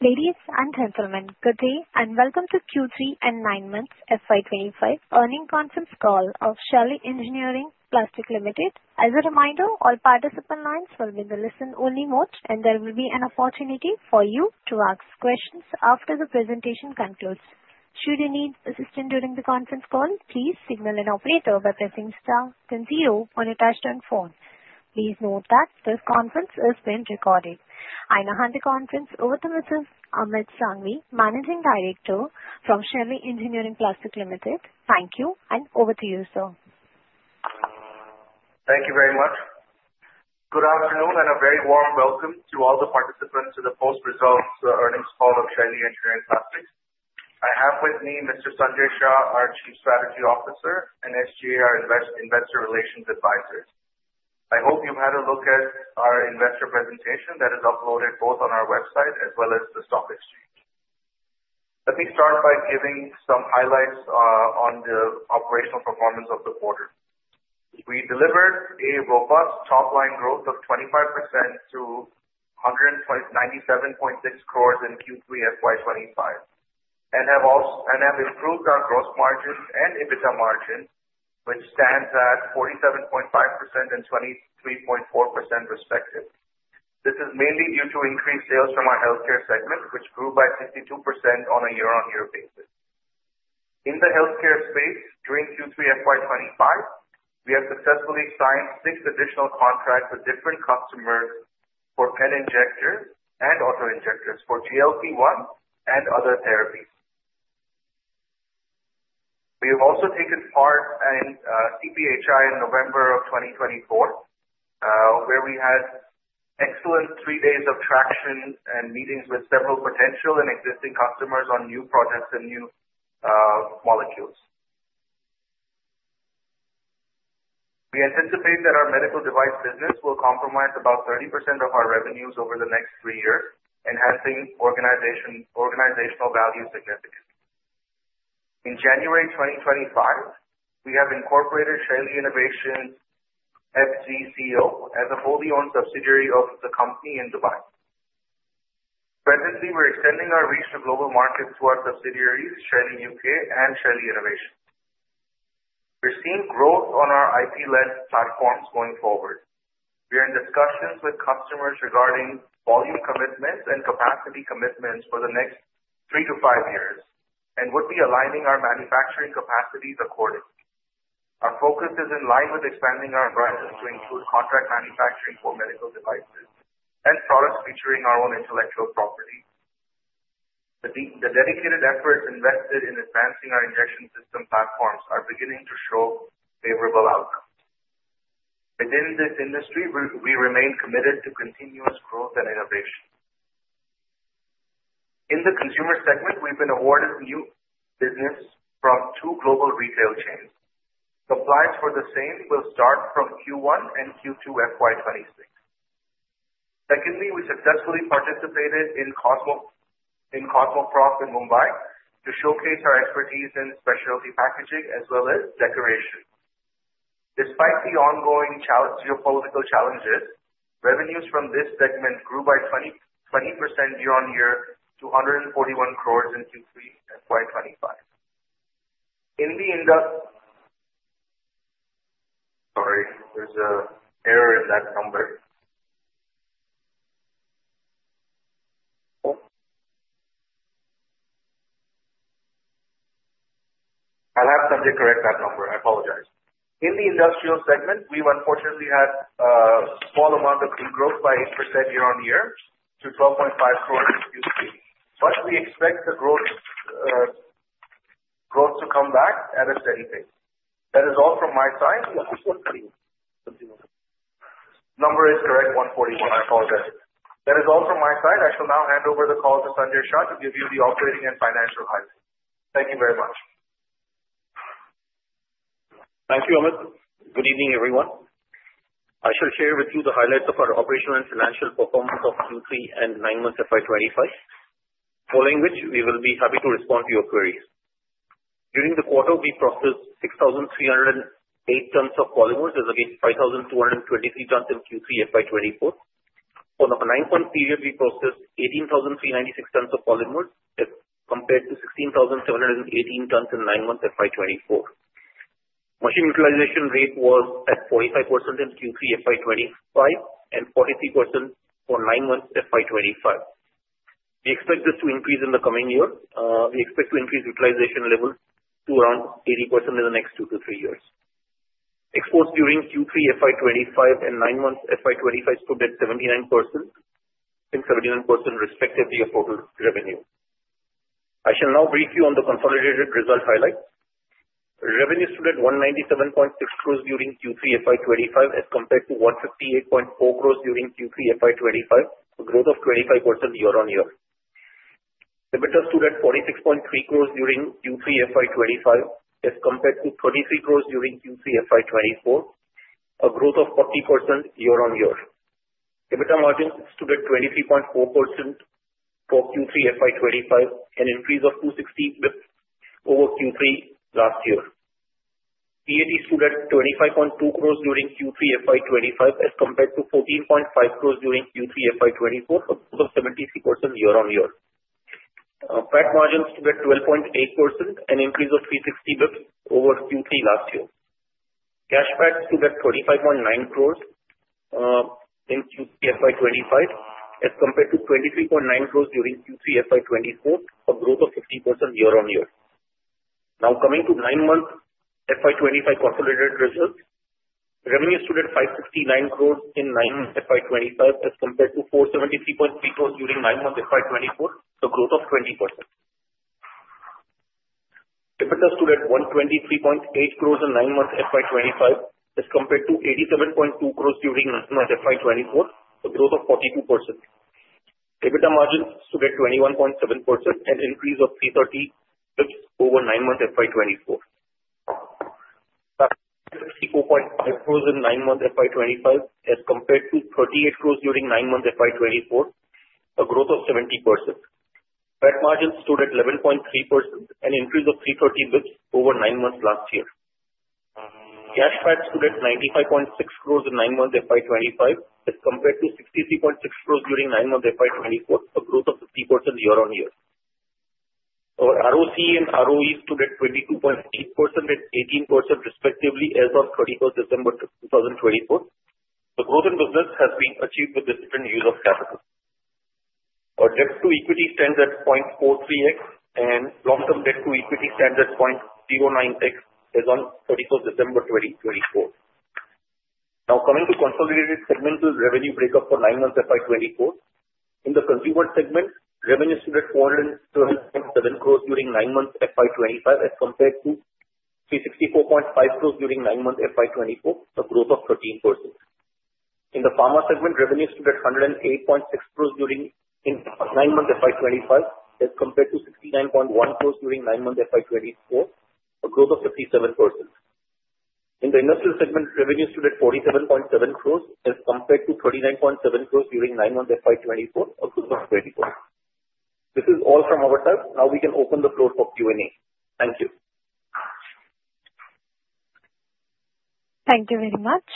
Ladies and gentlemen, good day, and welcome to Q3 and nine months FY 2025 earnings conference call of Shaily Engineering Plastics Limited. As a reminder, all participant lines will be in the listen only mode, and there will be an opportunity for you to ask questions after the presentation concludes. Should you need assistance during the conference call, please signal an operator by pressing star then zero on your touchtone phone. Please note that this conference is being recorded. I now hand the conference over to Mr. Amit Sanghvi, Managing Director from Shaily Engineering Plastics Limited. Thank you, and over to you, sir. Thank you very much. Good afternoon and a very warm welcome to all the participants to the post-results earnings call of Shaily Engineering Plastics. I have with me Mr. Sanjay Shah, our Chief Strategy Officer, and SGA, our investor relations advisors. I hope you've had a look at our investor presentation that is uploaded both on our website as well as the stock exchange. Let me start by giving some highlights on the operational performance of the quarter. We delivered a robust top-line growth of 25% to 197.6 crores in Q3 FY 2025, and have improved our gross margins and EBITDA margins, which stands at 47.5% and 23.4% respectively. This is mainly due to increased sales from our healthcare segment, which grew by 52% on a year-on-year basis. In the healthcare space, during Q3 FY 2025, we have successfully signed six additional contracts with different customers for pen injectors and auto-injectors for GLP-1 and other therapies. We have also taken part in CPhI in November 2024, where we had excellent three days of traction and meetings with several potential and existing customers on new projects and new molecules. We anticipate that our medical device business will compromise about 30% of our revenues over the next three years, enhancing organizational value significantly. In January 2025, we have incorporated Shaily Innovations FZCO as a wholly-owned subsidiary of the company in Dubai. Presently, we're extending our reach to global markets through our subsidiaries, Shaily UK and Shaily Innovations. We're seeing growth on our IP-led platforms going forward. We are in discussions with customers regarding volume commitments and capacity commitments for the next 3-5 years and would be aligning our manufacturing capacities accordingly. Our focus is in line with expanding our horizons to include contract manufacturing for medical devices and products featuring our own intellectual property. The dedicated efforts invested in advancing our injection system platforms are beginning to show favorable outcomes. In the consumer segment, we've been awarded new business from two global retail chains. Supplies for the same will start from Q1 and Q2 FY 2026. Secondly, we successfully participated in Cosmoprof in Mumbai to showcase our expertise in specialty packaging as well as decoration. Despite the ongoing geopolitical challenges, revenues from this segment grew by 20% year-on-year to 141 crores in Q3 FY 2025. Sorry, there's an error in that number. I'll have Sanjay correct that number. I apologize. In the industrial segment, we've unfortunately had a small amount of de-growth by 8% year-on-year to 12.5 crores in Q3. We expect the growth to come back at a steady pace. That is all from my side. Yeah. INR 140. Number is correct, 140. I apologize. That is all from my side. I shall now hand over the call to Sanjay Shah to give you the operating and financial highlights. Thank you very much. Thank you, Amit. Good evening, everyone. I shall share with you the highlights of our operational and financial performance of Q3 and nine months FY 2025. Following which, we will be happy to respond to your queries. During the quarter, we processed 6,308 tons of polymers as against 5,223 tons in Q3 FY 2024. For the nine-month period, we processed 18,396 tons of polymers as compared to 16,718 tons in nine months FY 2024. Machine utilization rate was at 45% in Q3 FY 2025 and 43% for nine months FY 2025. We expect this to increase in the coming year. We expect to increase utilization levels to around 80% in the next two to three years. Exports during Q3 FY 2025 and nine months FY 2025 stood at 79% and 71% respectively of total revenue. I shall now brief you on the consolidated result highlights. Revenue stood at 197.6 crores during Q3 FY 2025 as compared to 158.4 crores during Q3 FY 2025, a growth of 25% year-on-year. EBITDA stood at 46.3 crores during Q3 FY 2025 as compared to 23 crores during Q3 FY 2024, a growth of 40% year-on-year. EBITDA margin stood at 23.4% for Q3 FY 2025, an increase of 260 basis points over Q3 last year. PAT stood at 25.2 crores during Q3 FY 2025 as compared to 14.5 crores during Q3 FY 2024, a growth of 73% year-on-year. PAT margins stood at 12.8%, an increase of 360 basis points over Q3 last year. Cash PAT stood at INR 35.9 crores in Q3 FY 2025 as compared to 23.9 crores during Q3 FY 2024, a growth of 50% year-on-year. Coming to nine-month FY 2025 consolidated results. Revenue stood at 569 crores in nine months FY 2025 as compared to 473.3 crores during nine months FY 2024, a growth of 20%. EBITDA stood at 123.8 crores in nine months FY 2025 as compared to 87.2 crores during nine months FY 2024, a growth of 42%. EBITDA margins stood at 21.7%, an increase of 330 basis points over nine months FY 2024. PAT stood at INR 364.5 crores in nine months FY 2025 as compared to 38 crores during nine months FY 2024, a growth of 70%. PAT margins stood at 11.3%, an increase of 330 basis points over nine months last year. Cash PAT stood at 95.6 crores in nine months FY 2025 as compared to 63.6 crores during nine months FY 2024, a growth of 50% year-on-year. Our ROCE and ROE stood at 22.8% and 18% respectively as of 31st December 2024. The growth in business has been achieved with efficient use of capital. Our debt to equity stands at 0.43x and long-term debt to equity stands at 0.09x as on 31st December 2024. Coming to consolidated segmental revenue break-up for nine months FY 2024. In the consumer segment, revenue stood at 407.7 crores during nine months FY 2025 as compared to 364.5 crores during nine months FY 2024, a growth of 13%. In the pharma segment, revenue stood at 108.6 crores during nine months FY 2025 as compared to 69.1 crores during nine months FY 2024, a growth of 57%. In the industrial segment, revenue stood at 47.7 crores as compared to 39.7 crores during nine months FY 2024, a growth of 20%. This is all from our side. We can open the floor for Q&A. Thank you. Thank you very much.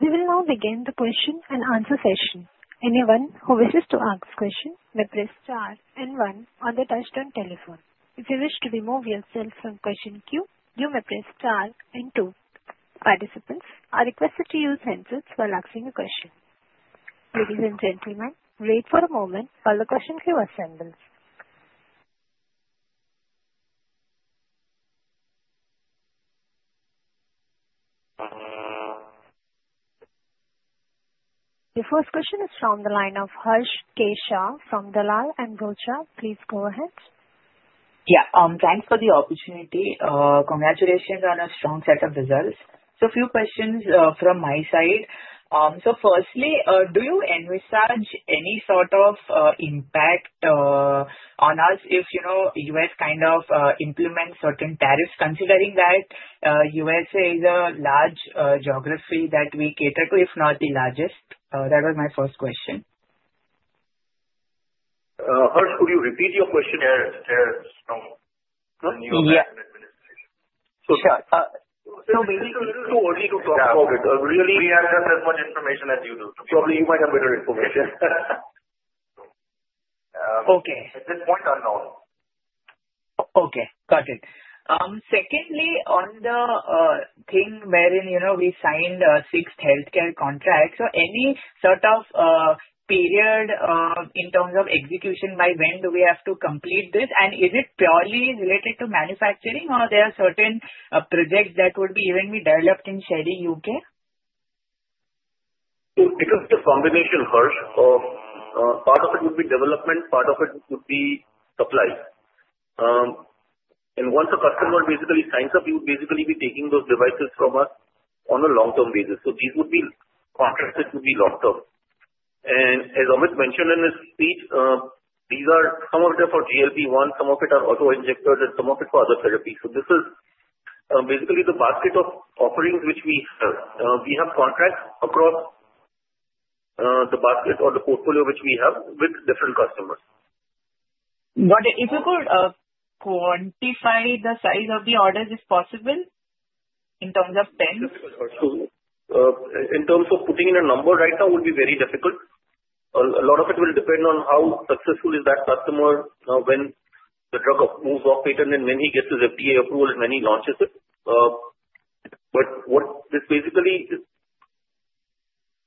We will now begin the question and answer session. Anyone who wishes to ask question may press star 1 on the touchtone telephone. If you wish to remove yourself from question queue, you may press star 2. Participants are requested to use handsets while asking a question. Ladies and gentlemen, wait for a moment while the question queue assembles. The first question is from the line of Harsh Shah from Dalal & Broacha. Please go ahead. Yeah. Thanks for the opportunity. Congratulations on a strong set of results. Few questions from my side. Firstly, do you envisage any sort of impact on us if U.S. implements certain tariffs considering that U.S.A. is a large geography that we cater to, if not the largest? That was my first question. Harsh, could you repeat your question? There's no Yeah. New admin. Sure. It is too early to talk about it. We have just as much information as you do. Probably you might have better information. Okay. At this point, unknown. Okay. Got it. Secondly, on the thing wherein we signed six health care contracts. Any sort of period in terms of execution, by when do we have to complete this? And is it purely related to manufacturing or there are certain projects that would be even be developed in Shaily U.K.? It is the combination, Harsh. Part of it would be development, part of it would be supply. Once a customer basically signs up, he would basically be taking those devices from us on a long-term basis. These would be contracted to be long-term. As Amit mentioned in his speech, some of them are for GLP-1, some of it are auto-injectors and some of it for other therapies. This is basically the basket of offerings which we have contracts across the basket or the portfolio which we have with different customers. If you could quantify the size of the orders, if possible, in terms of pens. In terms of putting in a number right now would be very difficult. A lot of it will depend on how successful is that customer when the drug moves off patent and when he gets his FDA approval and when he launches it. What this basically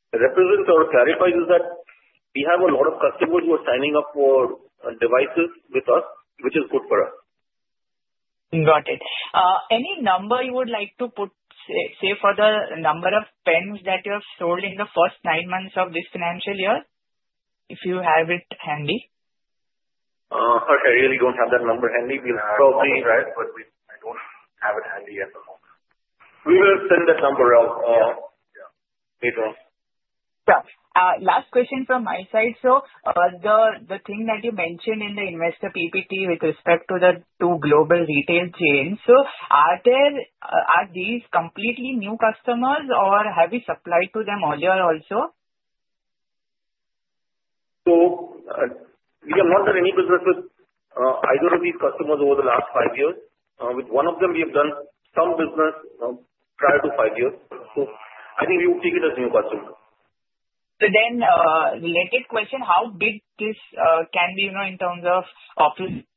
represents or clarifies is that we have a lot of customers who are signing up for devices with us, which is good for us. Got it. Any number you would like to put, say, for the number of pens that you have sold in the first nine months of this financial year, if you have it handy? Harsh, I really don't have that number handy. We'll probably I don't have it handy at the moment. We will send that number out. Sure. Last question from my side, the thing that you mentioned in the investor PPT with respect to the two global retail chains. Are these completely new customers or have you supplied to them earlier also? We have not done any business with either of these customers over the last five years. With one of them, we have done some business prior to five years. I think we would take it as new customer. Related question, how big this can be in terms of opportunity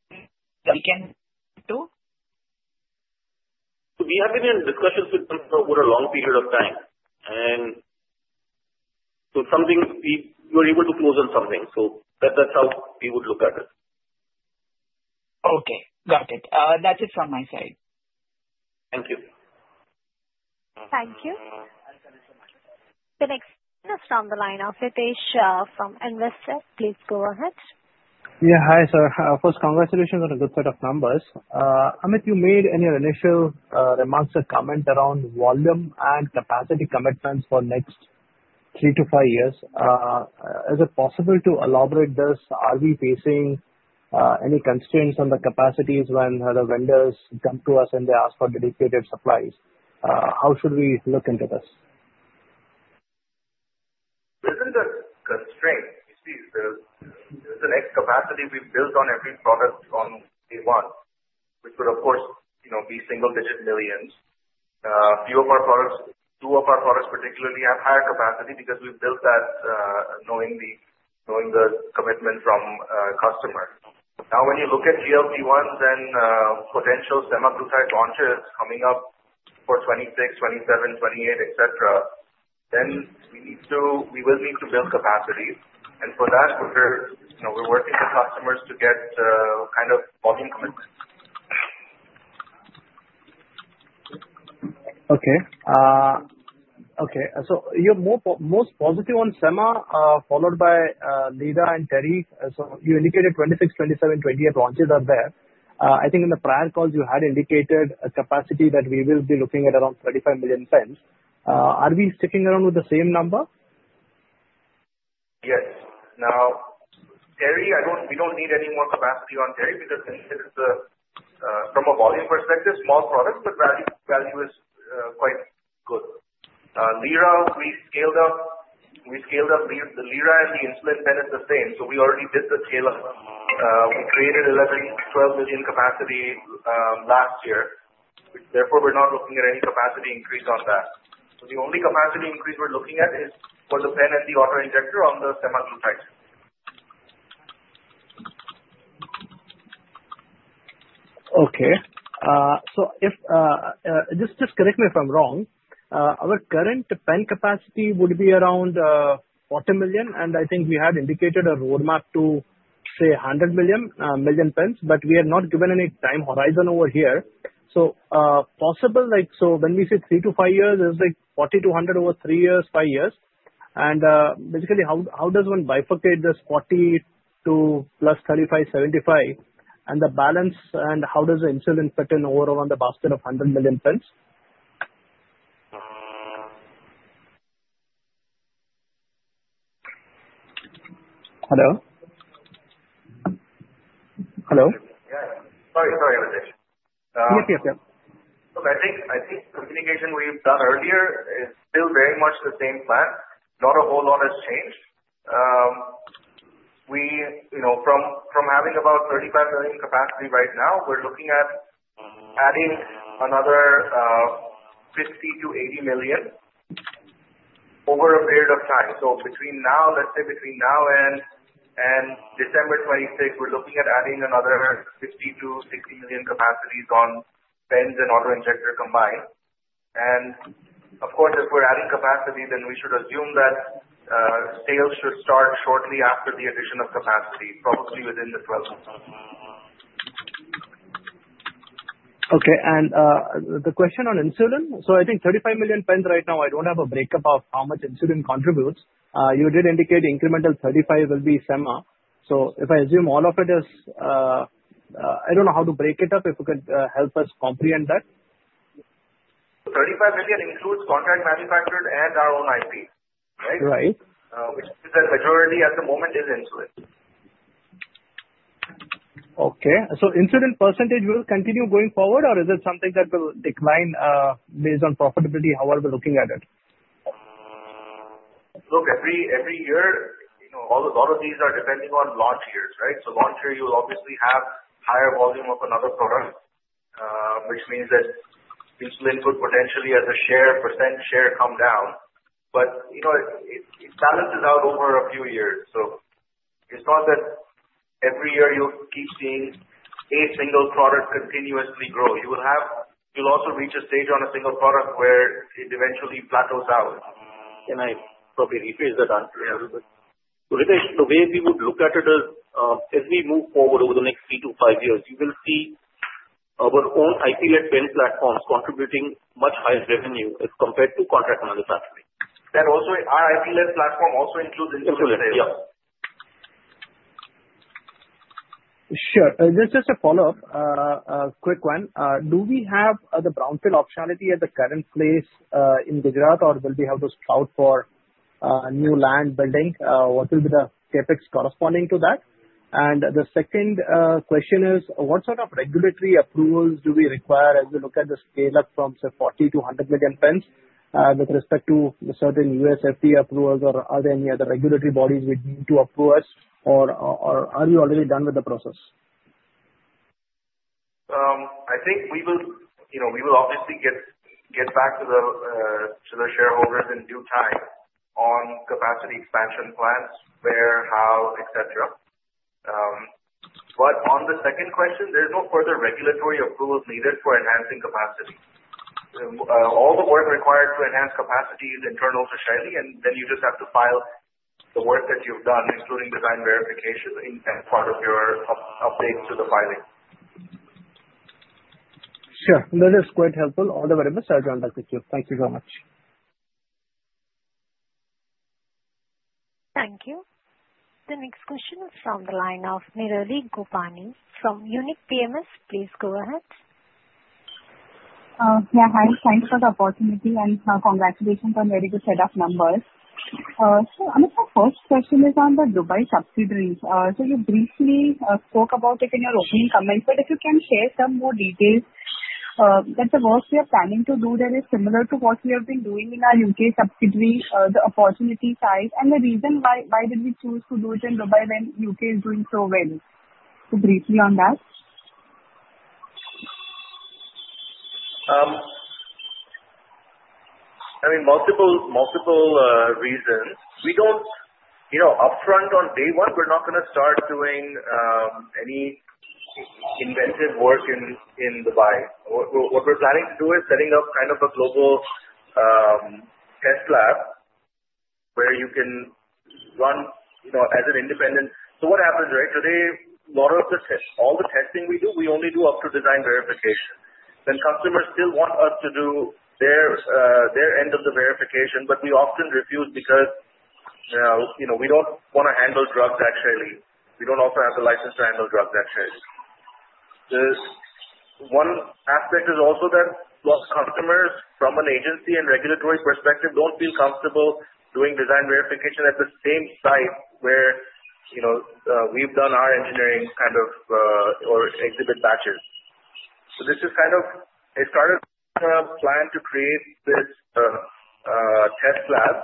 that we can do? We have been in discussions with them for over a long period of time, we were able to close on something. That's how we would look at it. Okay, got it. That is from my side. Thank you. Thank you. The next is from the line of Hitesh from Investor. Please go ahead. Hi, sir. First, congratulations on a good set of numbers. Amit, you made in your initial remarks a comment around volume and capacity commitments for next three to five years. Is it possible to elaborate this? Are we facing any constraints on the capacities when the vendors come to us and they ask for dedicated supplies? How should we look into this? There isn't a constraint. You see, there's an X capacity we've built on every product from day one, which would, of course, be single digit millions. Two of our products particularly have higher capacity because we've built that knowing the commitment from a customer. Now, when you look at GLP-1, potential semaglutide launch is coming up for 2026, 2027, 2028, et cetera. Then we will need to build capacity. For that, we're working with customers to get volume commitments. Okay. You're most positive on Semaglutide, followed by Lira and Teri. You indicated 2026, 2027, 2028 launches are there. I think in the prior calls you had indicated a capacity that we will be looking at around 35 million pens. Are we sticking around with the same number? Yes. Now, Teri, we don't need any more capacity on Teri because it is, from a volume perspective, small product, but value is quite good. Lira, we scaled up. The Lira and the insulin pen is the same, we already did the scale-up. We created 11, 12 million capacity last year. Therefore, we're not looking at any capacity increase on that. The only capacity increase we're looking at is for the pen and the auto-injector on the semaglutide. Okay. Just correct me if I'm wrong. Our current pen capacity would be around 40 million, and I think we had indicated a roadmap to, say, 100 million pens, but we have not given any time horizon over here. When we say 3 to 5 years, it's like 40 to 100 over 3 years, 5 years. Basically how does one bifurcate this 42 plus 35, 75, and the balance, and how does the insulin fit in over around the basket of 100 million pens? Hello? Hello? Yeah. Sorry, Hitesh. Yes. Look, I think the communication we've done earlier is still very much the same plan. Not a whole lot has changed. From having about 35 million capacity right now, we're looking at adding another 50 million-80 million over a period of time. Let's say between now and December 2026, we're looking at adding another 50 million-60 million capacities on pens and auto-injector combined. Of course, if we're adding capacity, then we should assume that sales should start shortly after the addition of capacity, probably within the 12 months. Okay. The question on insulin, I think 35 million pens right now, I don't have a breakup of how much insulin contributes. You did indicate incremental 35 will be Semaglutide. If I assume all of it is I don't know how to break it up. If you could help us comprehend that. 35 million includes contract manufacturers and our own IP. Right. Which is the majority at the moment is insulin. Okay. Insulin % will continue going forward or is it something that will decline based on profitability? How are we looking at it? Look, every year, a lot of these are depending on launch years, right? Launch year, you'll obviously have higher volume of another product, which means that insulin could potentially as a % share come down. It balances out over a few years, so it's not that every year you keep seeing a single product continuously grow. You'll also reach a stage on a single product where it eventually plateaus out. Can I probably rephrase that answer a little bit? Yeah. Hitesh, the way we would look at it is, as we move forward over the next three to five years, you will see our own IP-led pen platforms contributing much higher revenue as compared to contract manufacturing. Also our IP-led platform also includes insulin sales. Insulin, yeah. Sure. This is a follow-up, a quick one. Do we have the brownfield optionality at the current place in Gujarat or will we have to scout for new land building? What will be the CapEx corresponding to that? The second question is: What sort of regulatory approvals do we require as we look at the scale-up from say 40 to 100 million pens with respect to certain U.S. FDA approvals, or are there any other regulatory bodies which need to approve us, or are you already done with the process? I think we will obviously get back to the shareholders in due time on capacity expansion plans, where, how, et cetera. On the second question, there's no further regulatory approvals needed for enhancing capacity. All the work required to enhance capacity is internal to Shaily, and then you just have to file the work that you've done, including design verification in part of your update to the filing. Sure. That is quite helpful. All the very best. I'll join back with you. Thank you very much. Thank you. The next question is from the line of Nirali Gopani from Unique PMS. Please go ahead. Yeah, hi. Thanks for the opportunity and congratulations on very good set of numbers. Amit, my first question is on the Dubai subsidiary. You briefly spoke about it in your opening comments, but if you can share some more details. That the work we are planning to do there is similar to what we have been doing in our U.K. subsidiary, the opportunity size, and the reason why did we choose to do it in Dubai when U.K. is doing so well. Briefly on that. I mean, multiple reasons. Upfront on day one, we're not going to start doing any inventive work in Dubai. What we're planning to do is setting up kind of a global test lab where you can run. What happens, right? Today, all the testing we do, we only do up to design verification. Customers still want us to do their end of the verification, but we often refuse because we don't want to handle drugs at Shaily. We don't also have the license to handle drugs at Shaily. One aspect is also that customers from an agency and regulatory perspective don't feel comfortable doing design verification at the same site where we've done our engineering kind of or exhibit batches. It started from a plan to create this test lab,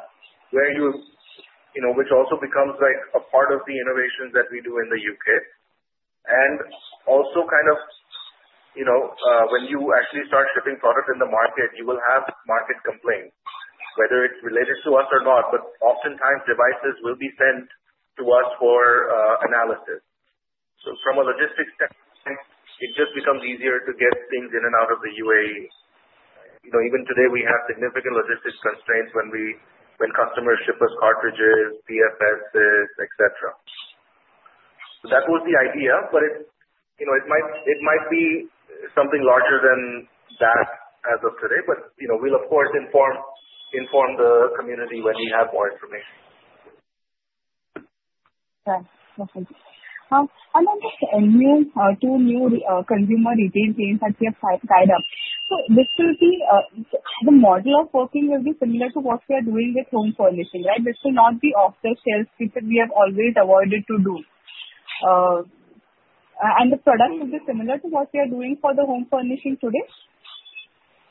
which also becomes a part of the innovations that we do in the U.K. Also when you actually start shipping products in the market, you will have market complaints, whether it is related to us or not, but oftentimes devices will be sent to us for analysis. From a logistics standpoint, it just becomes easier to get things in and out of the UAE. Even today, we have significant logistics constraints when customers ship us cartridges, PFS, et cetera. That was the idea, but it might be something larger than that as of today. We will of course inform the community when we have more information. Right. Perfect. Amit, the two new consumer retail chains that we have tied up. The model of working will be similar to what we are doing with home furnishing, right? This will not be off-the-shelf, which we have always avoided to do. The product will be similar to what we are doing for the home furnishing today?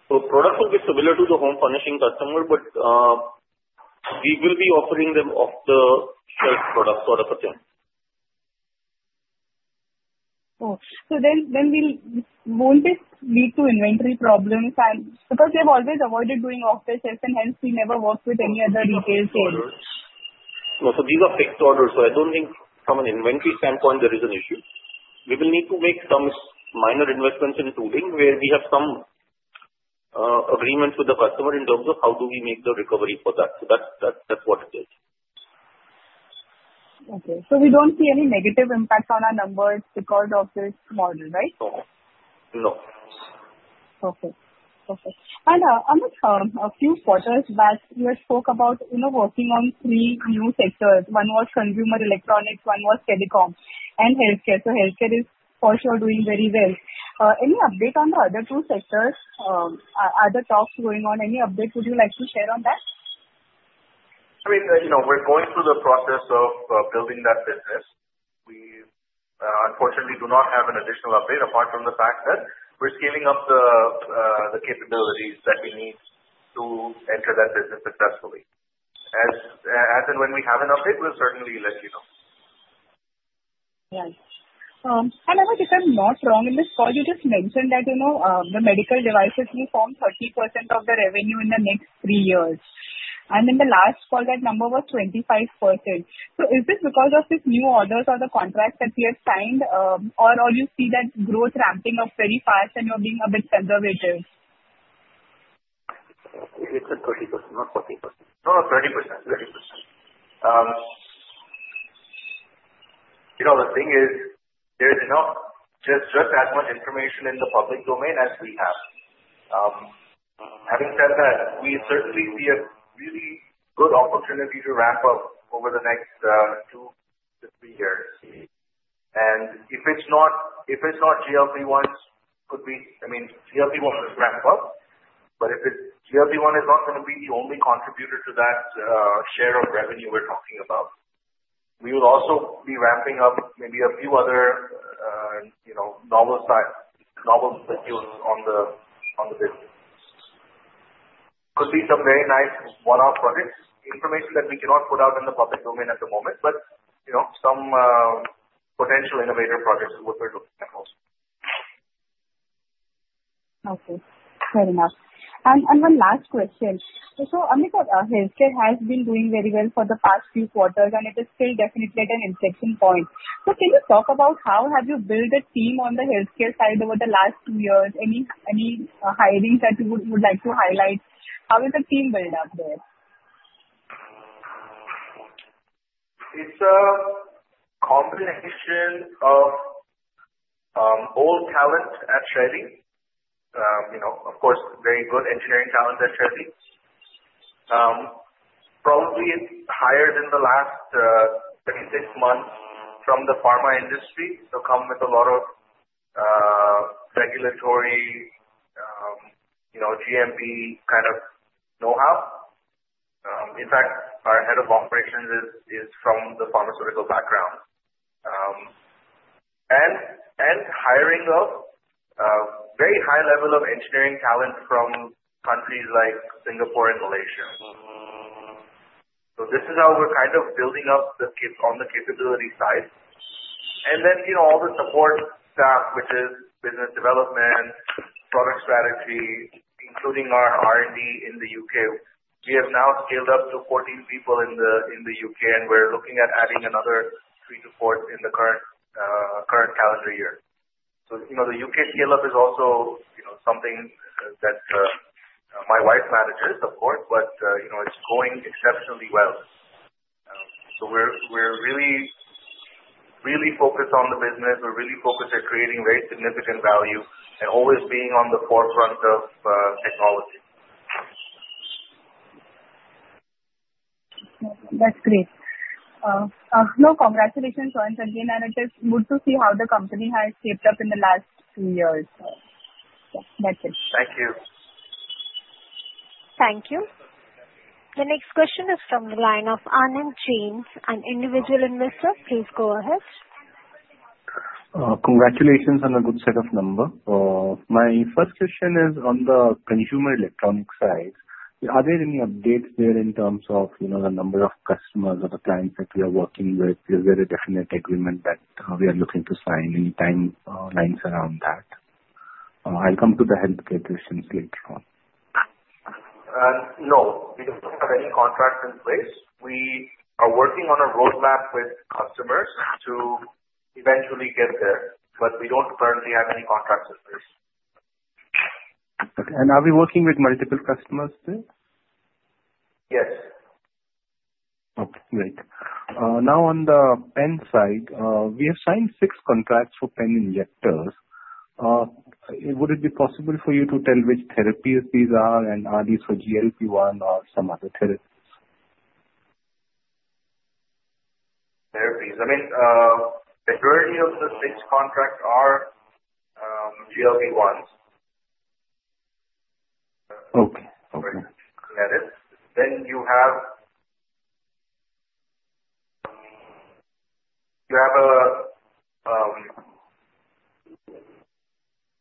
Product will be similar to the home furnishing customer, but we will be offering them off-the-shelf products for the first time. Oh. Won't this lead to inventory problems? Because we have always avoided doing off-the-shelf and hence we never worked with any other retailers. No. These are fixed orders, I don't think from an inventory standpoint there is an issue. We will need to make some minor investments in tooling where we have some agreement with the customer in terms of how do we make the recovery for that. That's what it is. Okay. We don't see any negative impact on our numbers because of this model, right? No. Perfect. Amit, a few quarters back, you had spoke about working on three new sectors. One was consumer electronics, one was telecom and healthcare. Healthcare is for sure doing very well. Any update on the other two sectors? Are the talks going on, any update would you like to share on that? I mean, we're going through the process of building that business. We unfortunately do not have an additional update apart from the fact that we're scaling up the capabilities that we need to enter that business successfully. As and when we have an update, we'll certainly let you know. Right. Amit, if I'm not wrong, in this call you just mentioned that the medical devices will form 30% of the revenue in the next three years, and in the last call, that number was 25%. Is this because of these new orders or the contracts that we have signed, or you see that growth ramping up very fast and you're being a bit conservative? I think it's at 30%, not 40%. No, 30%. The thing is there's not just as much information in the public domain as we have. Having said that, we certainly see a really good opportunity to ramp up over the next two to three years. If it's not GLP-1s could be-- I mean, GLP-1s will ramp up GLP-1 is not going to be the only contributor to that share of revenue we're talking about. We will also be ramping up maybe a few other novel studies on the business. Could be some very nice one-off projects. Information that we cannot put out in the public domain at the moment. Some potential innovative projects is what we're looking at also. Okay. Fair enough. One last question. Amit, our healthcare has been doing very well for the past few quarters, and it is still definitely at an inflection point. Can you talk about how have you built a team on the healthcare side over the last two years? Any hirings that you would like to highlight? How is the team built up there? It's a combination of old talent at Shaily. Of course, very good engineering talent at Shaily. Probably hired in the last 26 months from the pharma industry, come with a lot of regulatory, GMP kind of know-how. In fact, our head of operations is from the pharmaceutical background. Hiring a very high level of engineering talent from countries like Singapore and Malaysia. This is how we're kind of building up on the capability side. All the support staff, which is business development, product strategy, including our R&D in the U.K. We have now scaled up to 14 people in the U.K., and we're looking at adding another three to four in the current calendar year. The U.K. scale-up is also something that my wife manages, of course, but it's going exceptionally well. We're really focused on the business. We're really focused at creating very significant value and always being on the forefront of technology. That's great. Congratulations once again, and it is good to see how the company has shaped up in the last two years. That's it. Thank you. Thank you. The next question is from the line of Anand James, an individual investor. Please go ahead. Congratulations on a good set of number. My first question is on the consumer electronic side. Are there any updates there in terms of the number of customers or the clients that we are working with? Is there a definite agreement that we are looking to sign, any timelines around that? I'll come to the healthcare questions later on. No, we don't have any contracts in place. We are working on a roadmap with customers to eventually get there, but we don't currently have any contracts in place. Okay. Are we working with multiple customers there? Yes. Okay, great. On the pen side, we have signed 6 contracts for pen injectors. Would it be possible for you to tell which therapies these are, and are these for GLP-1 or some other therapies? Therapies. I mean, majority of the 6 contracts are GLP-1s. Okay. You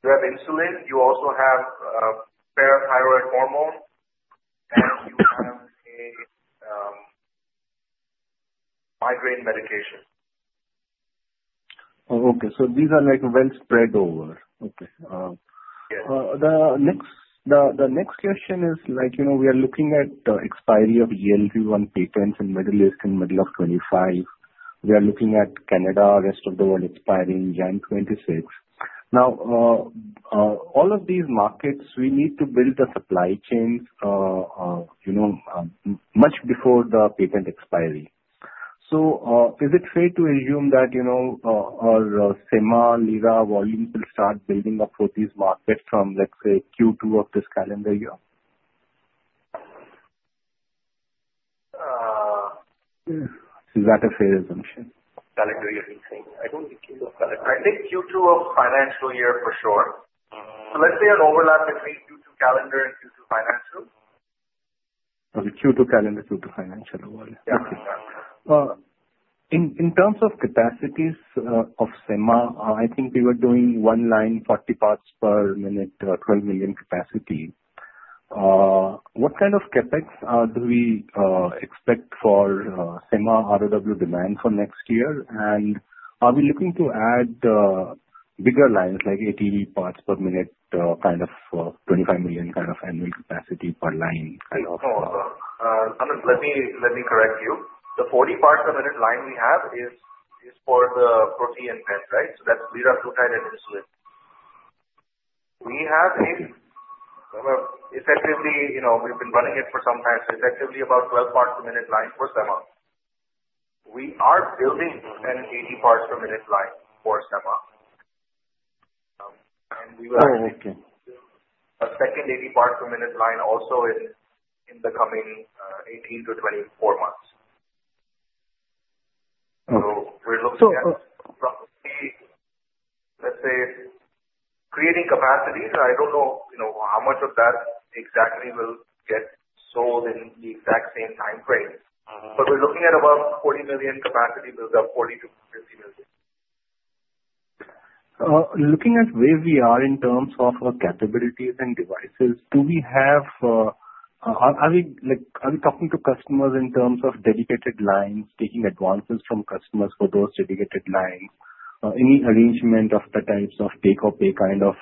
have insulin, you also have parathyroid hormone, and you have a migraine medication. Okay. These are well spread over. Okay. Yes. The next question is, we are looking at the expiry of GLP-1 patents in Middle East in middle of 2025. We are looking at Canada, rest of the world expiring January 2026. All of these markets, we need to build the supply chains much before the patent expiry. Is it fair to assume that all the Semaglutide volumes will start building up for these markets from, let's say, Q2 of this calendar year? Is that a fair assumption? Calendar year 2026. I don't think Q2 of calendar. I think Q2 of financial year for sure. Let's say an overlap between Q2 calendar and Q2 financial. Okay. Q2 calendar, Q2 financial. Yeah. Okay. In terms of capacities of Semaglutide, I think we were doing one line, 40 parts per minute, 12 million capacity. What kind of CapEx do we expect for Semaglutide ROW demand for next year? Are we looking to add bigger lines, like 80 parts per minute, 25 million annual capacity per line? No. Anand, let me correct you. The 40 parts per minute line we have is for the Protean pen. That's liraglutide and insulin. We have effectively, we've been running it for some time, effectively about 12 parts per minute line for Semaglutide. We are building an 80 parts per minute line for Semaglutide. Oh, okay. A second 80 parts per minute line also in the coming 18 to 24 months. We're looking at probably, let's say, creating capacities. I don't know how much of that exactly will get sold in the exact same time frames. We're looking at about 40 million capacity build-up, 40 million-50 million. Looking at where we are in terms of our capabilities and devices, are we talking to customers in terms of dedicated lines, taking advances from customers for those dedicated lines? Any arrangement of the types of take-or-pay kind of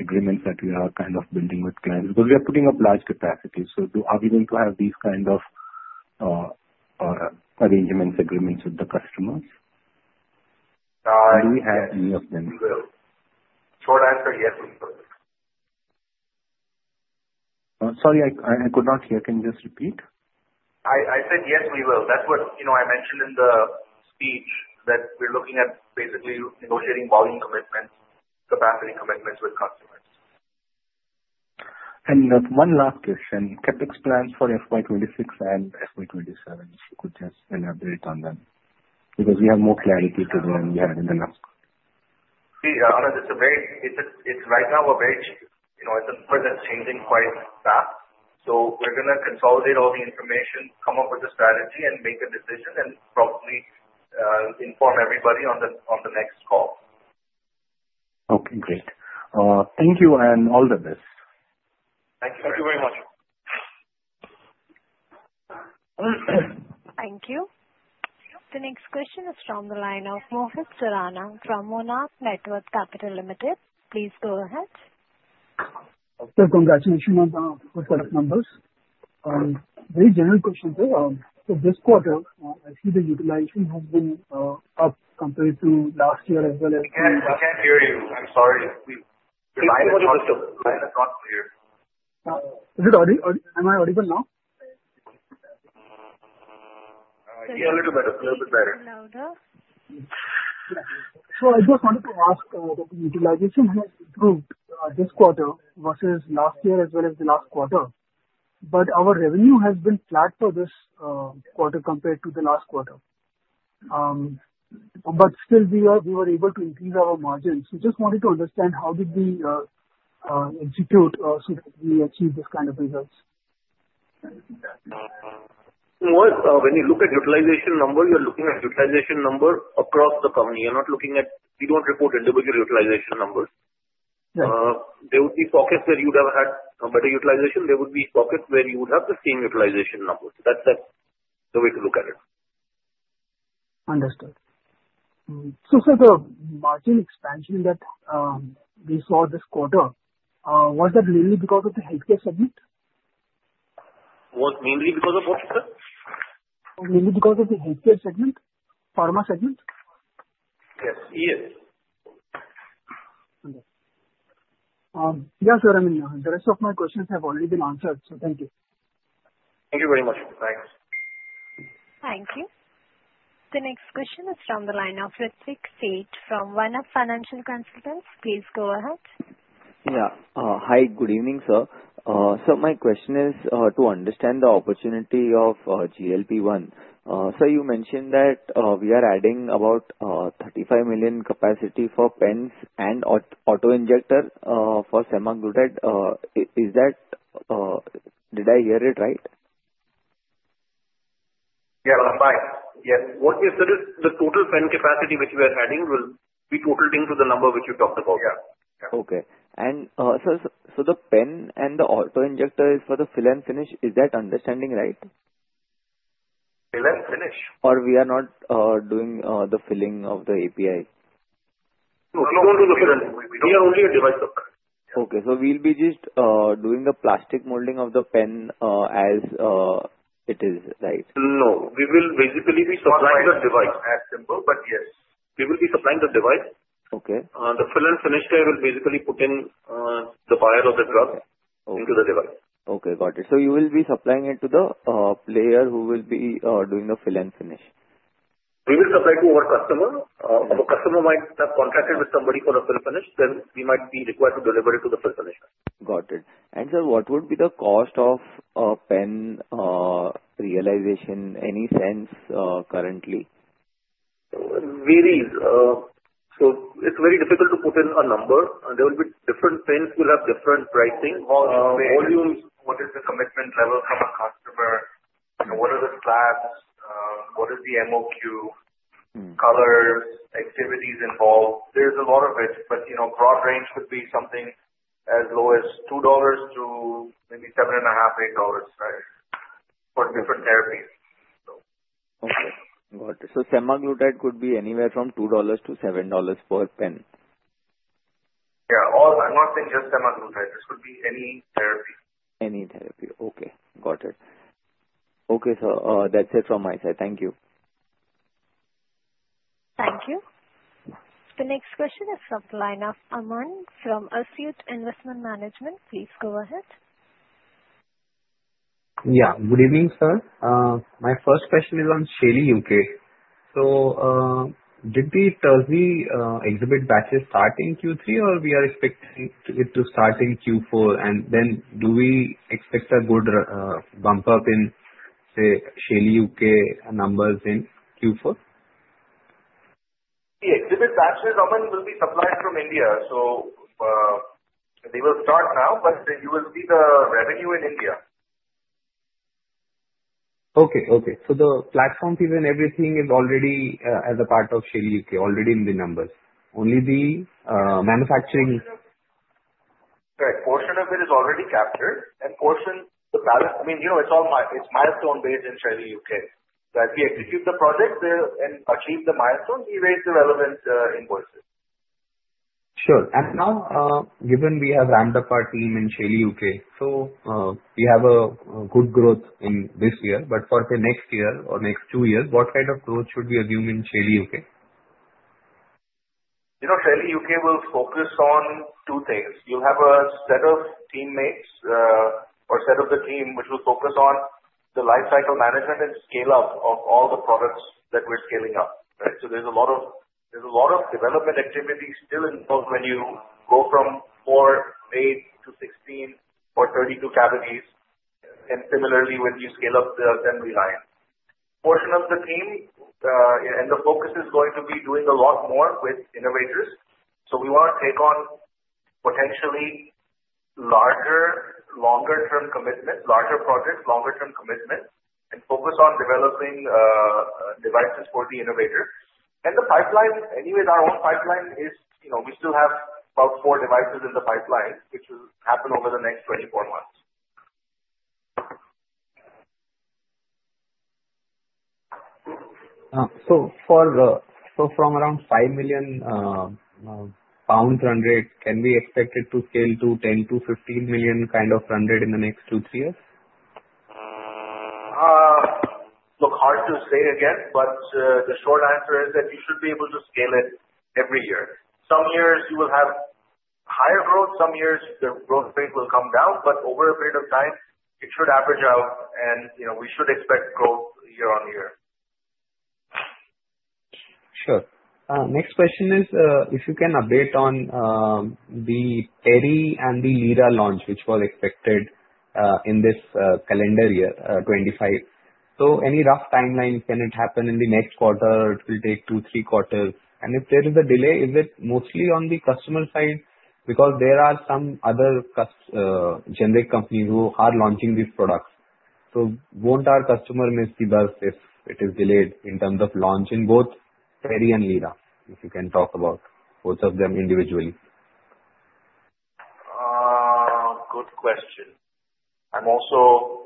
agreements that we are building with clients, because we are putting up large capacities. Are we going to have these kind of arrangements, agreements with the customers? Do we have any of them? Short answer, yes, we will. Sorry, I could not hear. Can you just repeat? I said, yes, we will. That's what I mentioned in the speech, that we're looking at basically negotiating volume commitments, capacity commitments with customers. One last question. CapEx plans for FY 2026 and FY 2027, if you could just elaborate on them. We have more clarity today than we had in the last call. See, Anand, it's right now At the present, it's changing quite fast. We're going to consolidate all the information, come up with a strategy and make a decision, and probably inform everybody on the next call. Okay, great. Thank you, and all the best. Thank you very much. Thank you. The next question is from the line of Mohit Surana from Monarch Networth Capital Limited. Please go ahead. Sir, congratulations on the set of numbers. Very general question, sir. This quarter, actually the utilization has been up compared to last year as well as- I can't hear you. I'm sorry. The line is not clear. Is it audible? Am I audible now? A little bit better. Louder. I just wanted to ask, the utilization has improved this quarter versus last year as well as the last quarter. Our revenue has been flat for this quarter compared to the last quarter. Still, we were able to increase our margins. Just wanted to understand how did we institute or specifically achieve this kind of results? Mohit, when you look at utilization number, you're looking at utilization number across the company. We don't report individual utilization numbers. Right. There would be pockets where you would have had better utilization. There would be pockets where you would have the same utilization numbers. That's the way to look at it. Understood. Sir, the margin expansion that we saw this quarter, was that mainly because of the healthcare segment? Was mainly because of what, sir? Mainly because of the healthcare segment, pharma segment? Yes. Understood. Yeah, sir, the rest of my questions have already been answered. Thank you. Thank you very much. Thanks. Thank you. The next question is from the line of Ritwik Seth from One-Up Financial Consultants. Please go ahead. Hi, good evening, sir. My question is to understand the opportunity of GLP-1. Sir, you mentioned that we are adding about 35 million capacity for pens and auto-injector for semaglutide. Did I hear it right? Yeah. What you said is the total pen capacity which we are adding will be totaling to the number which you talked about, yeah. Okay. The pen and the auto-injector is for the fill and finish. Is that understanding right? Fill and finish? We are not doing the filling of the API? No, we don't do fill and finish. We are only a device maker. We'll be just doing the plastic molding of the pen as it is, right? No. We will basically be supplying the device. Yes, we will be supplying the device. Okay. The fill and finisher will basically put in the vial of the drug into the device. Okay, got it. You will be supplying it to the player who will be doing the fill and finish. We will supply to our customer. Our customer might have contracted with somebody for the fill and finish. We might be required to deliver it to the fill and finisher. Got it. Sir, what would be the cost of a pen realization, any sense currently? It varies. It's very difficult to put in a number. There will be different pens will have different pricing. Volume, what is the commitment level from a customer? What are the slabs? What is the MOQ? Colors, activities involved. There's a lot of it. But broad range could be something as low as $2 to maybe $7.5, $8 for different therapies. Okay. Got it. semaglutide could be anywhere from $2 to $7 per pen. Yeah. Not just semaglutide, this could be any therapy. Any therapy. Okay, got it. Okay, sir. That's it from my side. Thank you. Thank you. The next question is from the line of Aman from Ascot Investment Management. Please go ahead. Yeah, good evening, sir. My first question is on Shaily UK. Did the TUSV exhibit batches start in Q3 or we are expecting it to start in Q4? Do we expect a good bump up in, say, Shaily UK numbers in Q4? The exhibit patches, Aman, will be supplied from India. They will start now, but you will see the revenue in India. Okay. The platform fees and everything is already as a part of Shaily UK, already in the numbers. Only the manufacturing- Correct. Portion of it is already captured and portion, it's milestone-based in Shaily UK. As we execute the project and achieve the milestones, we raise the relevant invoices. Sure. Now, given we have ramped up our team in Shaily UK, we have a good growth in this year, but for, say, next year or next two years, what kind of growth should we assume in Shaily UK? Shaily UK will focus on two things. You have a set of teammates, or set of the team, which will focus on the lifecycle management and scale-up of all the products that we're scaling up. Right? There's a lot of development activities still involved when you go from four, eight to 16 or 32 cavities and similarly when you scale up the assembly line. Portion of the team and the focus is going to be doing a lot more with innovators. We want to take on potentially larger projects, longer-term commitments, and focus on developing devices for the innovator. The pipeline, anyway, our own pipeline is we still have about four devices in the pipeline, which will happen over the next 24 months. From around 5 million pounds run rate, can we expect it to scale to 10 million-15 million kind of run rate in the next two, three years? Look, hard to say it yet, but the short answer is that you should be able to scale it every year. Some years you will have higher growth, some years the growth rate will come down, but over a period of time, it should average out and we should expect growth year-on-year. Sure. Next question is, if you can update on the Teri and the Lira launch which was expected in this calendar year, 2025. Any rough timeline, can it happen in the next quarter? It will take two, three quarters? If there is a delay, is it mostly on the customer side? Because there are some other generic companies who are launching these products. Won't our customer be missed if it is delayed in terms of launch in both Teri and Lira? If you can talk about both of them individually. Good question. I am also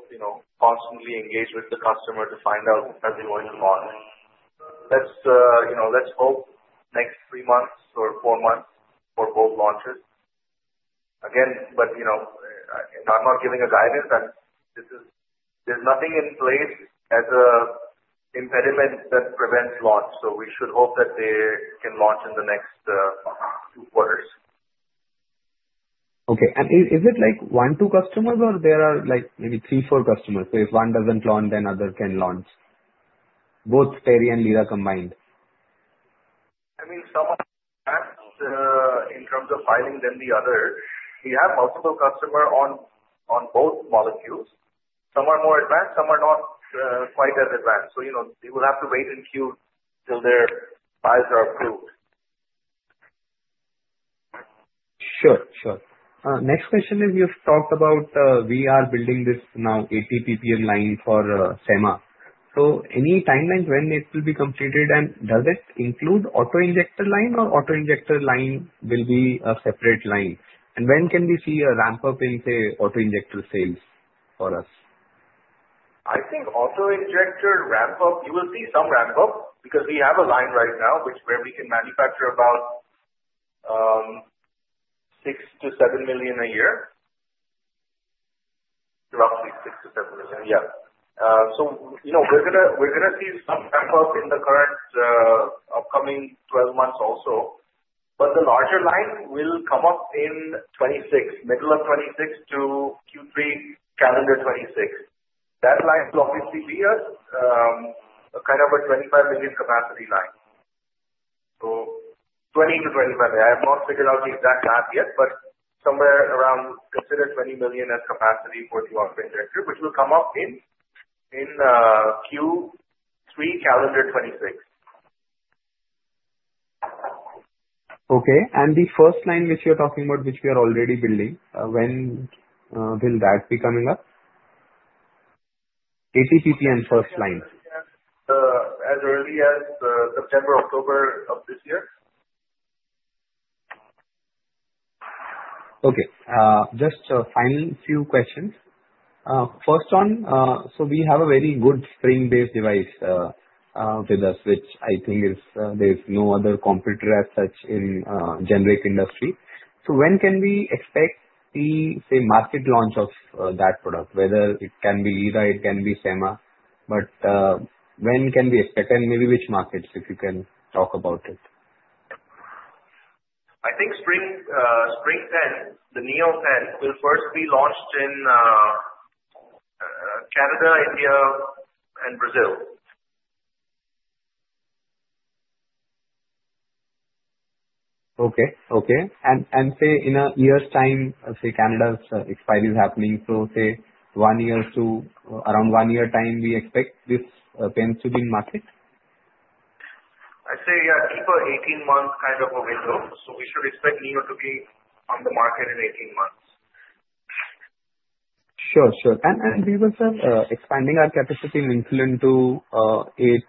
constantly engaged with the customer to find out are they going to launch. Let's hope next three months or four months for both launches. Again, but I am not giving a guidance and there is nothing in place as an impediment that prevents launch. We should hope that they can launch in the next two quarters. Okay. Is it like one, two customers or there are maybe three, four customers? If one doesn't launch, then other can launch. Both Teri and Lira combined. Some are in terms of filing than the other. We have multiple customer on both molecules. Some are more advanced, some are not quite as advanced. They will have to wait in queue till their files are approved. Sure. Next question is, you've talked about, we are building this now PPM line for SEMA. Any timeline when it will be completed, and does it include auto-injector line or auto-injector line will be a separate line? When can we see a ramp-up in, say, auto-injector sales for us? I think auto-injector ramp-up, you will see some ramp-up because we have a line right now which where we can manufacture about 6 million-7 million a year. Roughly 6 million-7 million, yeah. We're going to see some ramp-up in the current upcoming 12 months also. The larger line will come up in 2026, middle of 2026 to Q3 calendar 2026. That line will obviously be a kind of a 25 million capacity line. 20 million-25 million. I have not figured out the exact math yet, but somewhere around, consider 20 million as capacity for the auto-injector, which will come up in Q3 calendar 2026. Okay. The first line which you're talking about, which we are already building, when will that be coming up? PPM first line. As early as September, October of this year. Okay. Just final few questions. First one, we have a very good spring-based device with us, which I think there's no other competitor as such in generic industry. When can we expect the, say, market launch of that product, whether it can be Lira, it can be SEMA, when can we expect and maybe which markets, if you can talk about it? I think spring pen, the Neo Pen, will first be launched in Canada, India and Brazil. Okay. Say in a year's time, say Canada's expiry is happening, say around one year time, we expect this pen to be in market? I'd say, yeah, keep an 18-month kind of a window. We should expect NEO to be on the market in 18 months. Sure. We were, sir, expanding our capacity in insulin to eight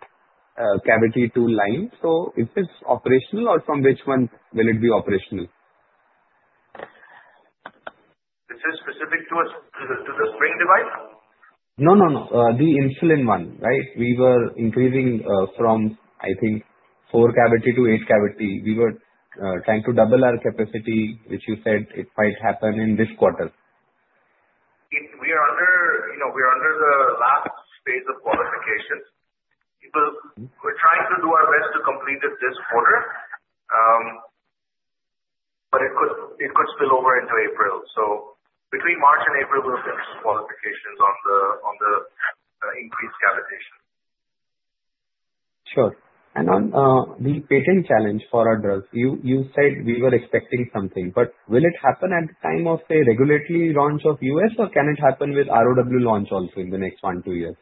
cavity, two lines. Is this operational or from which one will it be operational? This is specific to the spring device? No, the insulin one. We were increasing from, I think, four cavity to eight cavity. We were trying to double our capacity, which you said it might happen in this quarter. We are under the last phase of qualification. We're trying to do our best to complete it this quarter. It could spill over into April. Between March and April, we'll finish the qualifications on the increased cavity. Sure. On the patent challenge for our drugs, you said we were expecting something, will it happen at the time of, say, regulatory launch of U.S., or can it happen with ROW launch also in the next one, two years?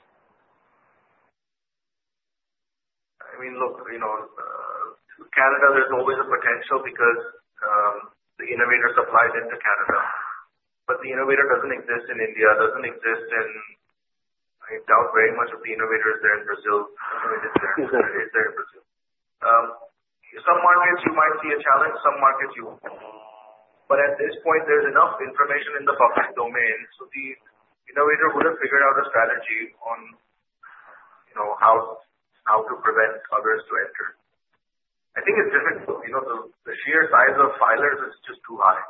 I mean, look, Canada, there's always a potential because the innovator supplies into Canada, the innovator doesn't exist in India. I doubt very much if the innovator is there in Brazil. It is there in Brazil. Some markets you might see a challenge, some markets you won't. At this point, there's enough information in the public domain, the innovator would have figured out a strategy on how to prevent others to enter. I think it's difficult. The sheer size of filers is just too high.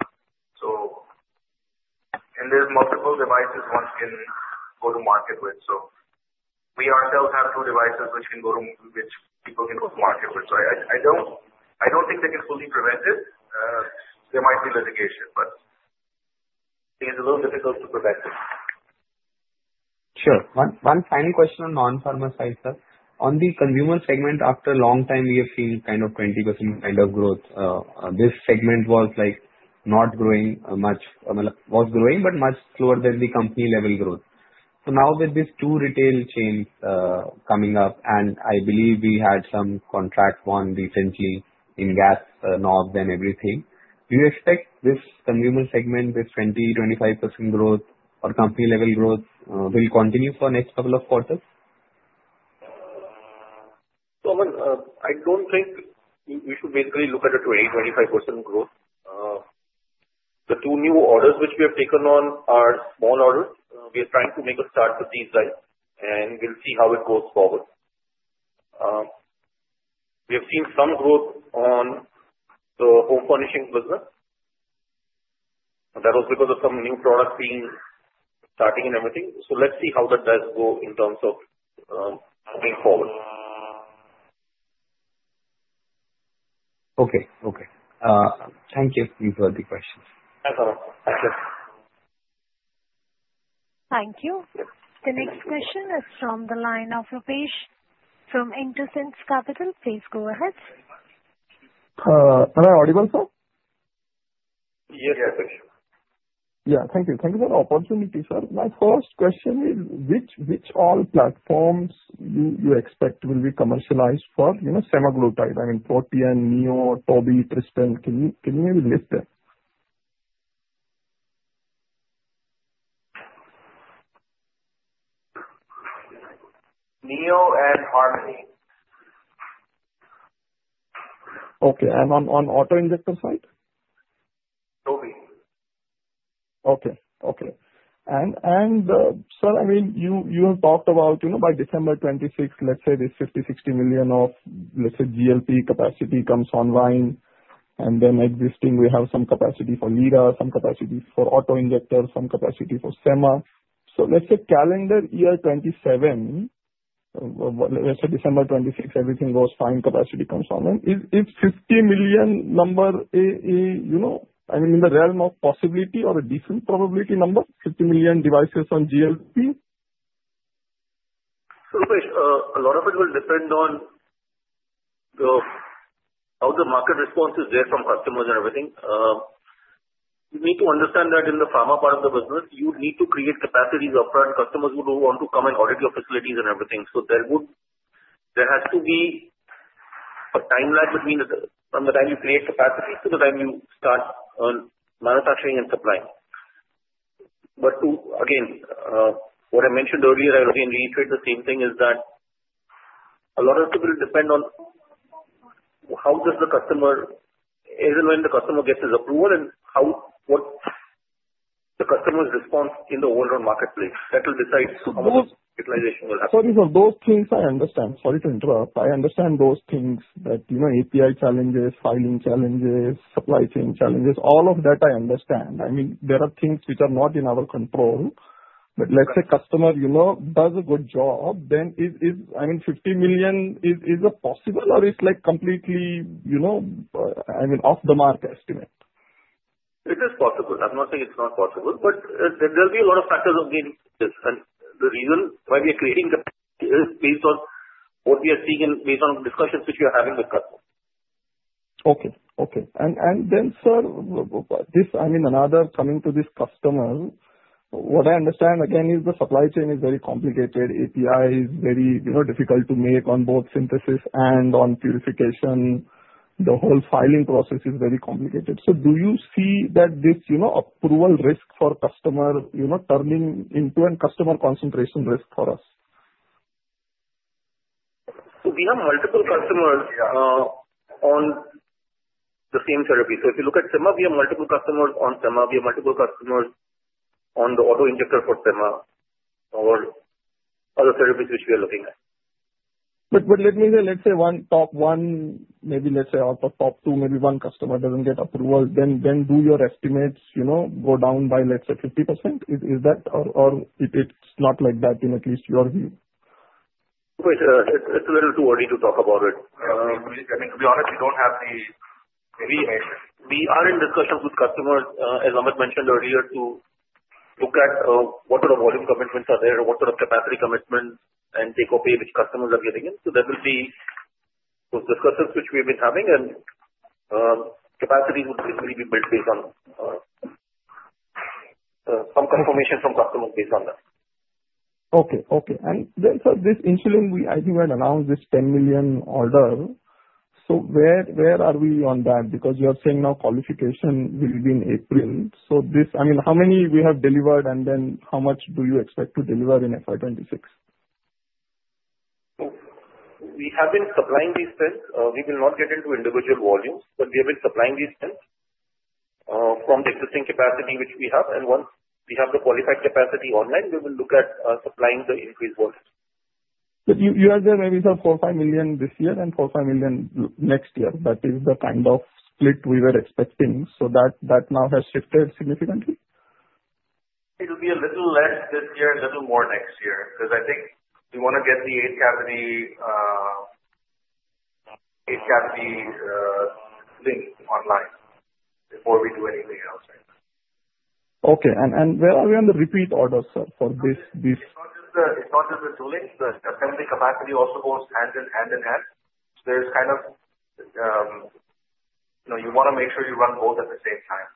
There's multiple devices one can go to market with, we ourselves have two devices which people can go to market with. I don't think they can fully prevent it. There might be litigation, I think it's a little difficult to prevent it. Sure. One final question on non-pharma side, sir. On the consumer segment, after a long time, we have seen 20% kind of growth. This segment was growing, but much slower than the company level growth. Now with these two retail chains coming up, I believe we had some contract won recently in Gas Nord and everything. Do you expect this consumer segment with 20%, 25% growth or company level growth will continue for next couple of quarters? Suman, I don't think we should basically look at it to 20%, 25% growth. The two new orders which we have taken on are small orders. We are trying to make a start with these guys, and we'll see how it goes forward. We have seen some growth on the home furnishing business, and that was because of some new products being starting and everything. Let's see how that does go in terms of going forward. Okay. Thank you. These were the questions. That's all. Thank you. Thank you. The next question is from the line of Rupesh from Intelis Capital. Please go ahead. Am I audible, sir? Yes, Rupesh. Yeah. Thank you. Thank you for the opportunity, sir. My first question is, which all platforms do you expect will be commercialized for semaglutide? I mean, Protean, Neo, Toby, Dristan. Can you list them? NEO and Harmony. Okay. On auto-injector side? Toby. Okay. Sir, you have talked about by December 2026, let's say this 50 million-60 million of, let's say, GLP-1 capacity comes online, then existing, we have some capacity for Lira, some capacity for auto-injector, some capacity for SEMA. Let's say calendar year 2027, let's say December 2026, everything goes fine, capacity comes online. Is 50 million number in the realm of possibility or a decent probability number, 50 million devices on GLP-1? Rupesh, a lot of it will depend on how the market response is there from customers and everything. You need to understand that in the pharma part of the business, you need to create capacities upfront. Customers would want to come and audit your facilities and everything. There has to be a time lag between from the time you create capacity to the time you start on manufacturing and supplying. Again, what I mentioned earlier, I'll again reiterate the same thing is that a lot of it will depend on how does the customer, even when the customer gets his approval and what's the customer's response in the overall marketplace. That will decide how much utilization will happen. Sorry, sir, those things I understand. Sorry to interrupt. I understand those things that API challenges, filing challenges, supply chain challenges, all of that I understand. There are things which are not in our control. Let's say customer does a good job, then 50 million, is it possible or it's completely off the mark estimate? It is possible. I'm not saying it's not possible, but there will be a lot of factors against this. The reason why we are creating the is based on what we are seeing and based on discussions which we are having with customers. Okay. Then, sir, another coming to this customer, what I understand, again, is the supply chain is very complicated. API is very difficult to make on both synthesis and on purification. The whole filing process is very complicated. Do you see that this approval risk for customer turning into a customer concentration risk for us? We have multiple customers. Yeah on the same therapy. If you look at sema, we have multiple customers on sema. We have multiple customers on the auto-injector for sema or other therapies which we are looking at. Let's say top one, maybe let's say out of top two, maybe one customer doesn't get approval, then do your estimates go down by, let's say, 50%? Is that or it's not like that in at least your view? It's a little too early to talk about it. I mean, to be honest, we don't have the We are in discussions with customers, as Amit mentioned earlier, to look at what sort of volume commitments are there and what sort of capacity commitments and take-or-pay which customers are giving in. There will be those discussions which we've been having, and capacity would basically be built based on some confirmation from customers based on that. Okay. Then, sir, this insulin, I think you had announced this 10 million order. Where are we on that? Because you are saying now qualification will be in April. How many we have delivered, and then how much do you expect to deliver in FY 2026? We have been supplying these pens. We will not get into individual volumes, but we have been supplying these pens from the existing capacity which we have. Once we have the qualified capacity online, we will look at supplying the increased volumes. You had there maybe some 4 million-5 million this year and 4 million-5 million next year. That is the kind of split we were expecting. That now has shifted significantly? It'll be a little less this year and a little more next year, because I think we want to get the eight-capacity link online before we do anything else, right. Okay. Where are we on the repeat orders, sir? It's not just the tooling. The assembly capacity also goes hand in hand in that. You want to make sure you run both at the same time.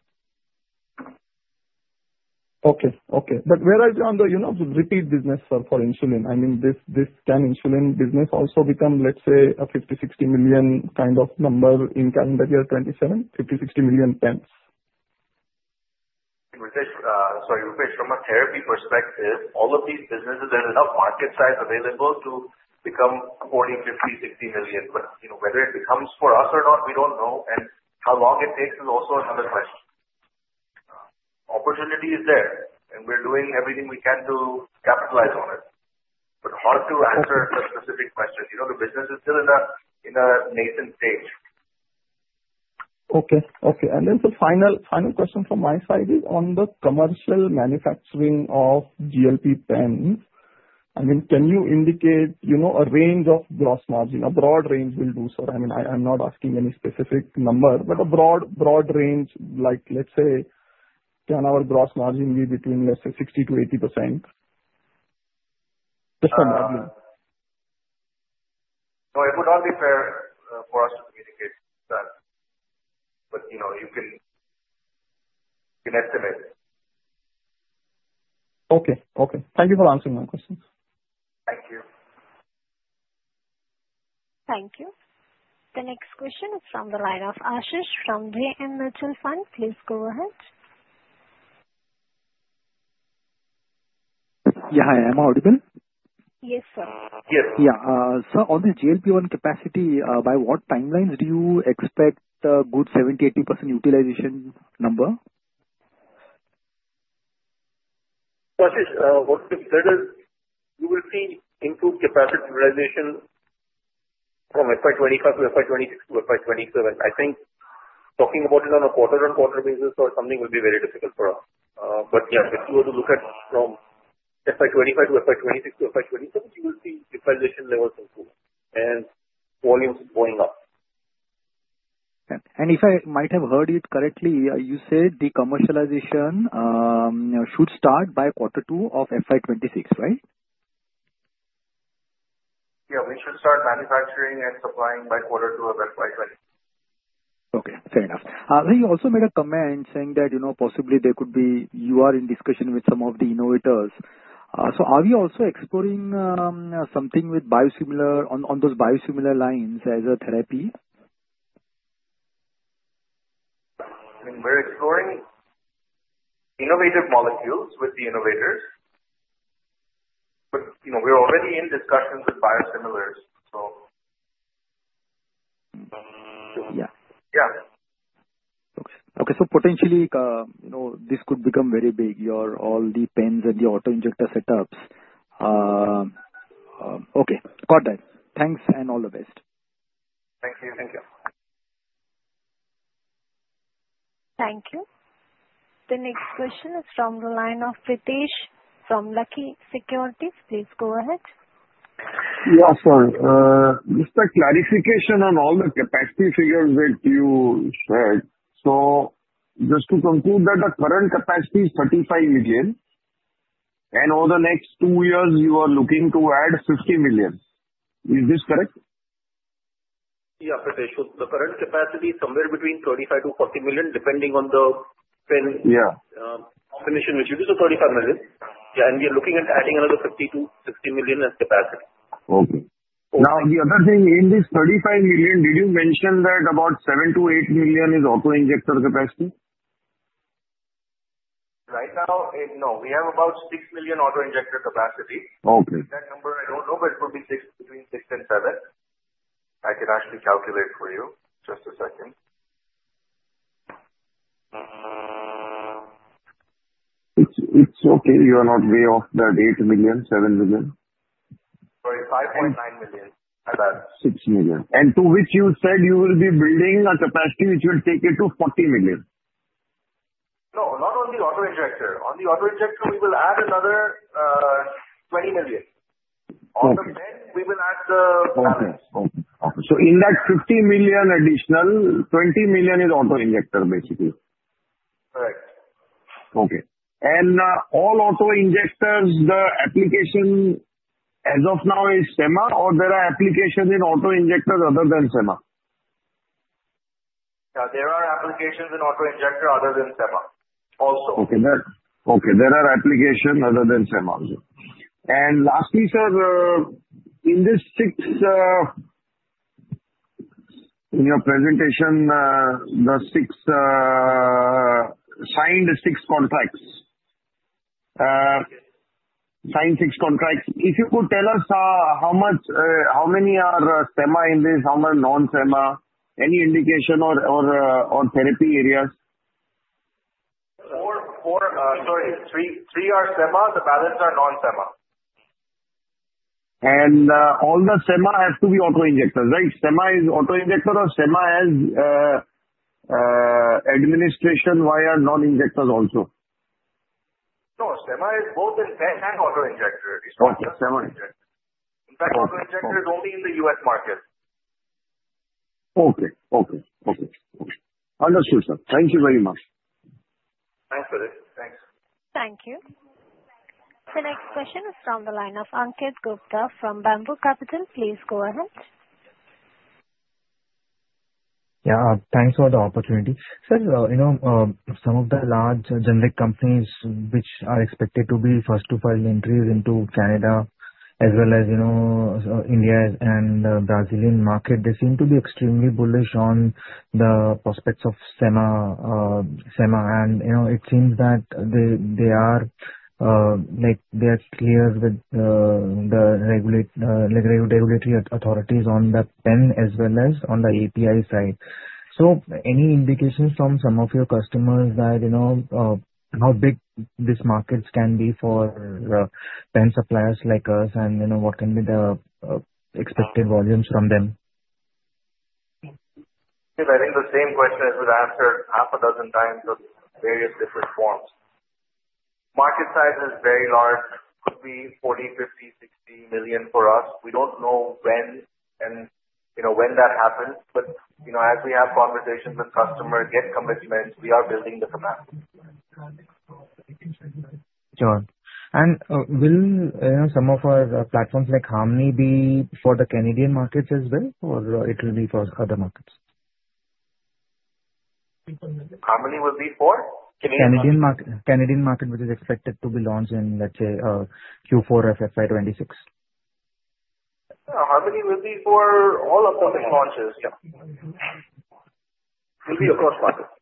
Okay. Where are we on the repeat business for insulin? I mean, this 10 insulin business also become, let's say, a 50, 60 million kind of number in calendar year 2027, 50, 60 million pens. Rupesh, from a therapy perspective, all of these businesses, there is enough market size available to become 40 million, 50 million, 60 million. Whether it becomes for us or not, we don't know, and how long it takes is also another question. Opportunity is there, and we're doing everything we can to capitalize on it. Hard to answer a specific question. The business is still in a nascent stage. Okay. The final question from my side is on the commercial manufacturing of GLP-1. I mean, can you indicate a range of gross margin? A broad range will do, sir. I mean, I'm not asking any specific number, but a broad range, like let's say, can our gross margin be between, let's say, 60%-80%? Just an idea. No, it would not be fair for us to communicate that. You can estimate it. Okay. Thank you for answering my questions. Thank you. Thank you. The next question is from the line of Ashish from Jaisinghani & Associates. Please go ahead. Yeah. Hi, am I audible? Yes, sir. Yes. Sir, on the GLP-1 capacity, by what timelines do you expect a good 70%-80% utilization number? Ashish, what we've said is, you will see improved capacity utilization from FY 2025 to FY 2026 to FY 2027. I think talking about it on a quarter-on-quarter basis or something will be very difficult for us. Yeah, if you were to look at from FY 2025 to FY 2026 to FY 2027, you will see utilization levels improve and volumes going up. If I might have heard it correctly, you said the commercialization should start by quarter two of FY 2026, right? Yeah. We should start manufacturing and supplying by quarter two of FY 2026. Okay. Fair enough. You also made a comment saying that possibly you are in discussion with some of the innovators. Are we also exploring something on those biosimilar lines as a therapy? I mean, we're exploring innovative molecules with the innovators. We're already in discussions with biosimilars. Yeah. Yeah. Okay. Potentially, this could become very big, all the pens and the auto-injector setups. Okay, got that. Thanks and all the best. Thank you. Thank you. Thank you. The next question is from the line of Pritesh from Lucky Securities. Please go ahead. Yeah, sir. Just a clarification on all the capacity figures that you said. Just to conclude that the current capacity is 35 million, and over the next two years you are looking to add 60 million. Is this correct? Yeah. Pritesh. The current capacity is somewhere between 35 to 40 million, depending on the pen- Yeah Combination, which gives us 35 million. Yeah. We are looking at adding another 50 million-60 million as capacity. Okay. The other thing, in this 35 million, did you mention that about 7 million-8 million is auto-injector capacity? Right now, no. We have about 6 million auto-injector capacity. Okay. That number I don't know, it could be between six and seven. I can actually calculate for you. Just a second. It's okay. You are not way off that 8 million, 7 million. Sorry, 5.9 million. 6 million. To which you said you will be building a capacity which will take you to 40 million. No, not on the auto-injector. On the auto-injector, we will add another 20 million. On the pen we will add the balance. Okay. In that 50 million additional, 20 million is auto-injector, basically. Correct. Okay. All auto-injectors, the application as of now is SEMA or there are applications in auto-injectors other than SEMA? Yeah, there are applications in auto-injector other than SEMA also. Okay. There are applications other than SEMA. Lastly, sir, in your presentation, signed six contracts. If you could tell us how many are SEMA in this, how many are non-SEMA? Any indication or therapy areas? Four. Sorry, 3 are SEMA. The balance are non-SEMA. All the SEMA has to be auto-injectors, right? SEMA is auto-injector or SEMA has administration via non-injectors also? No, SEMA is both pen and auto-injector. Okay. SEMA injector. In fact, auto-injector is only in the U.S. market. Okay. Understood, sir. Thank you very much. Thanks, Pritesh. Thanks. Thank you. The next question is from the line of Ankit Gupta from Bamboo Capital. Please go ahead. Thanks for the opportunity. Sir, some of the large generic companies which are expected to be first to file entries into Canada as well as India and the Brazilian market, they seem to be extremely bullish on the prospects of SEMA. It seems that they are clear with the regulatory authorities on the pen as well as on the API side. Any indications from some of your customers that how big these markets can be for pen suppliers like us and what can be the expected volumes from them? I think the same question has been asked here half a dozen times in various different forms. Market size is very large, could be 40 million, 50 million, 60 million for us. We don't know when that happens, but as we have conversations with customers, get commitments, we are building the capacity. Sure. Will some of our platforms like Harmony be for the Canadian markets as well, or it will be for other markets? Harmony will be for? Canadian- Canadian market. Which is expected to be launched in, let's say, Q4 of FY 2026. Harmony will be for all of the launches. Yeah. Will be across markets.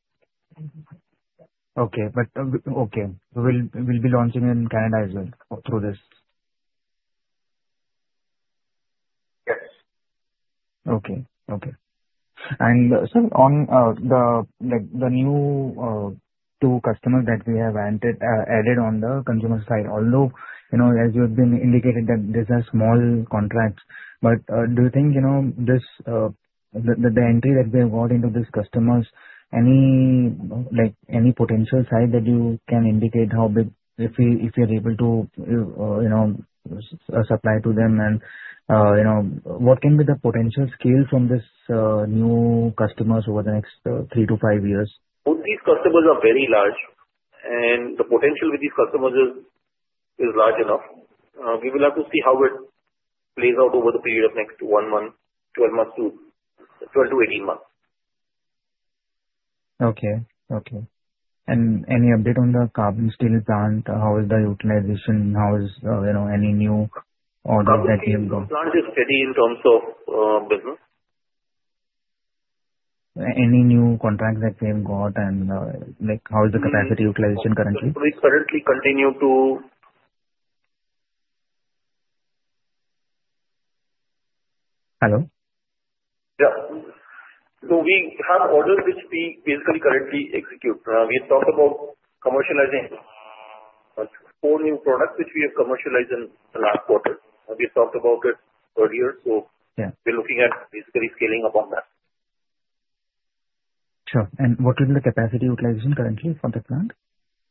Okay. We'll be launching in Canada as well through this. Yes. Okay. Sir, on the new two customers that we have added on the consumer side, although as you've been indicating that these are small contracts. Do you think the entry that we have got into these customers, any potential side that you can indicate how big, if you're able to supply to them? What can be the potential scale from these new customers over the next 3-5 years? Both these customers are very large. The potential with these customers is large enough. We will have to see how it plays out over the period of next one month, 12-18 months. Okay. Any update on the carbon steel plant? How is the utilization? How is any new orders that you have got? Carbon steel plant is steady in terms of business. Any new contracts that we have got and how is the capacity utilization currently? We currently continue to Hello? Yeah. We have orders which we basically currently execute. We had talked about commercializing four new products, which we have commercialized in the last quarter. We talked about it earlier. Yeah. We're looking at basically scaling up on that. Sure. What will be the capacity utilization currently for the plant?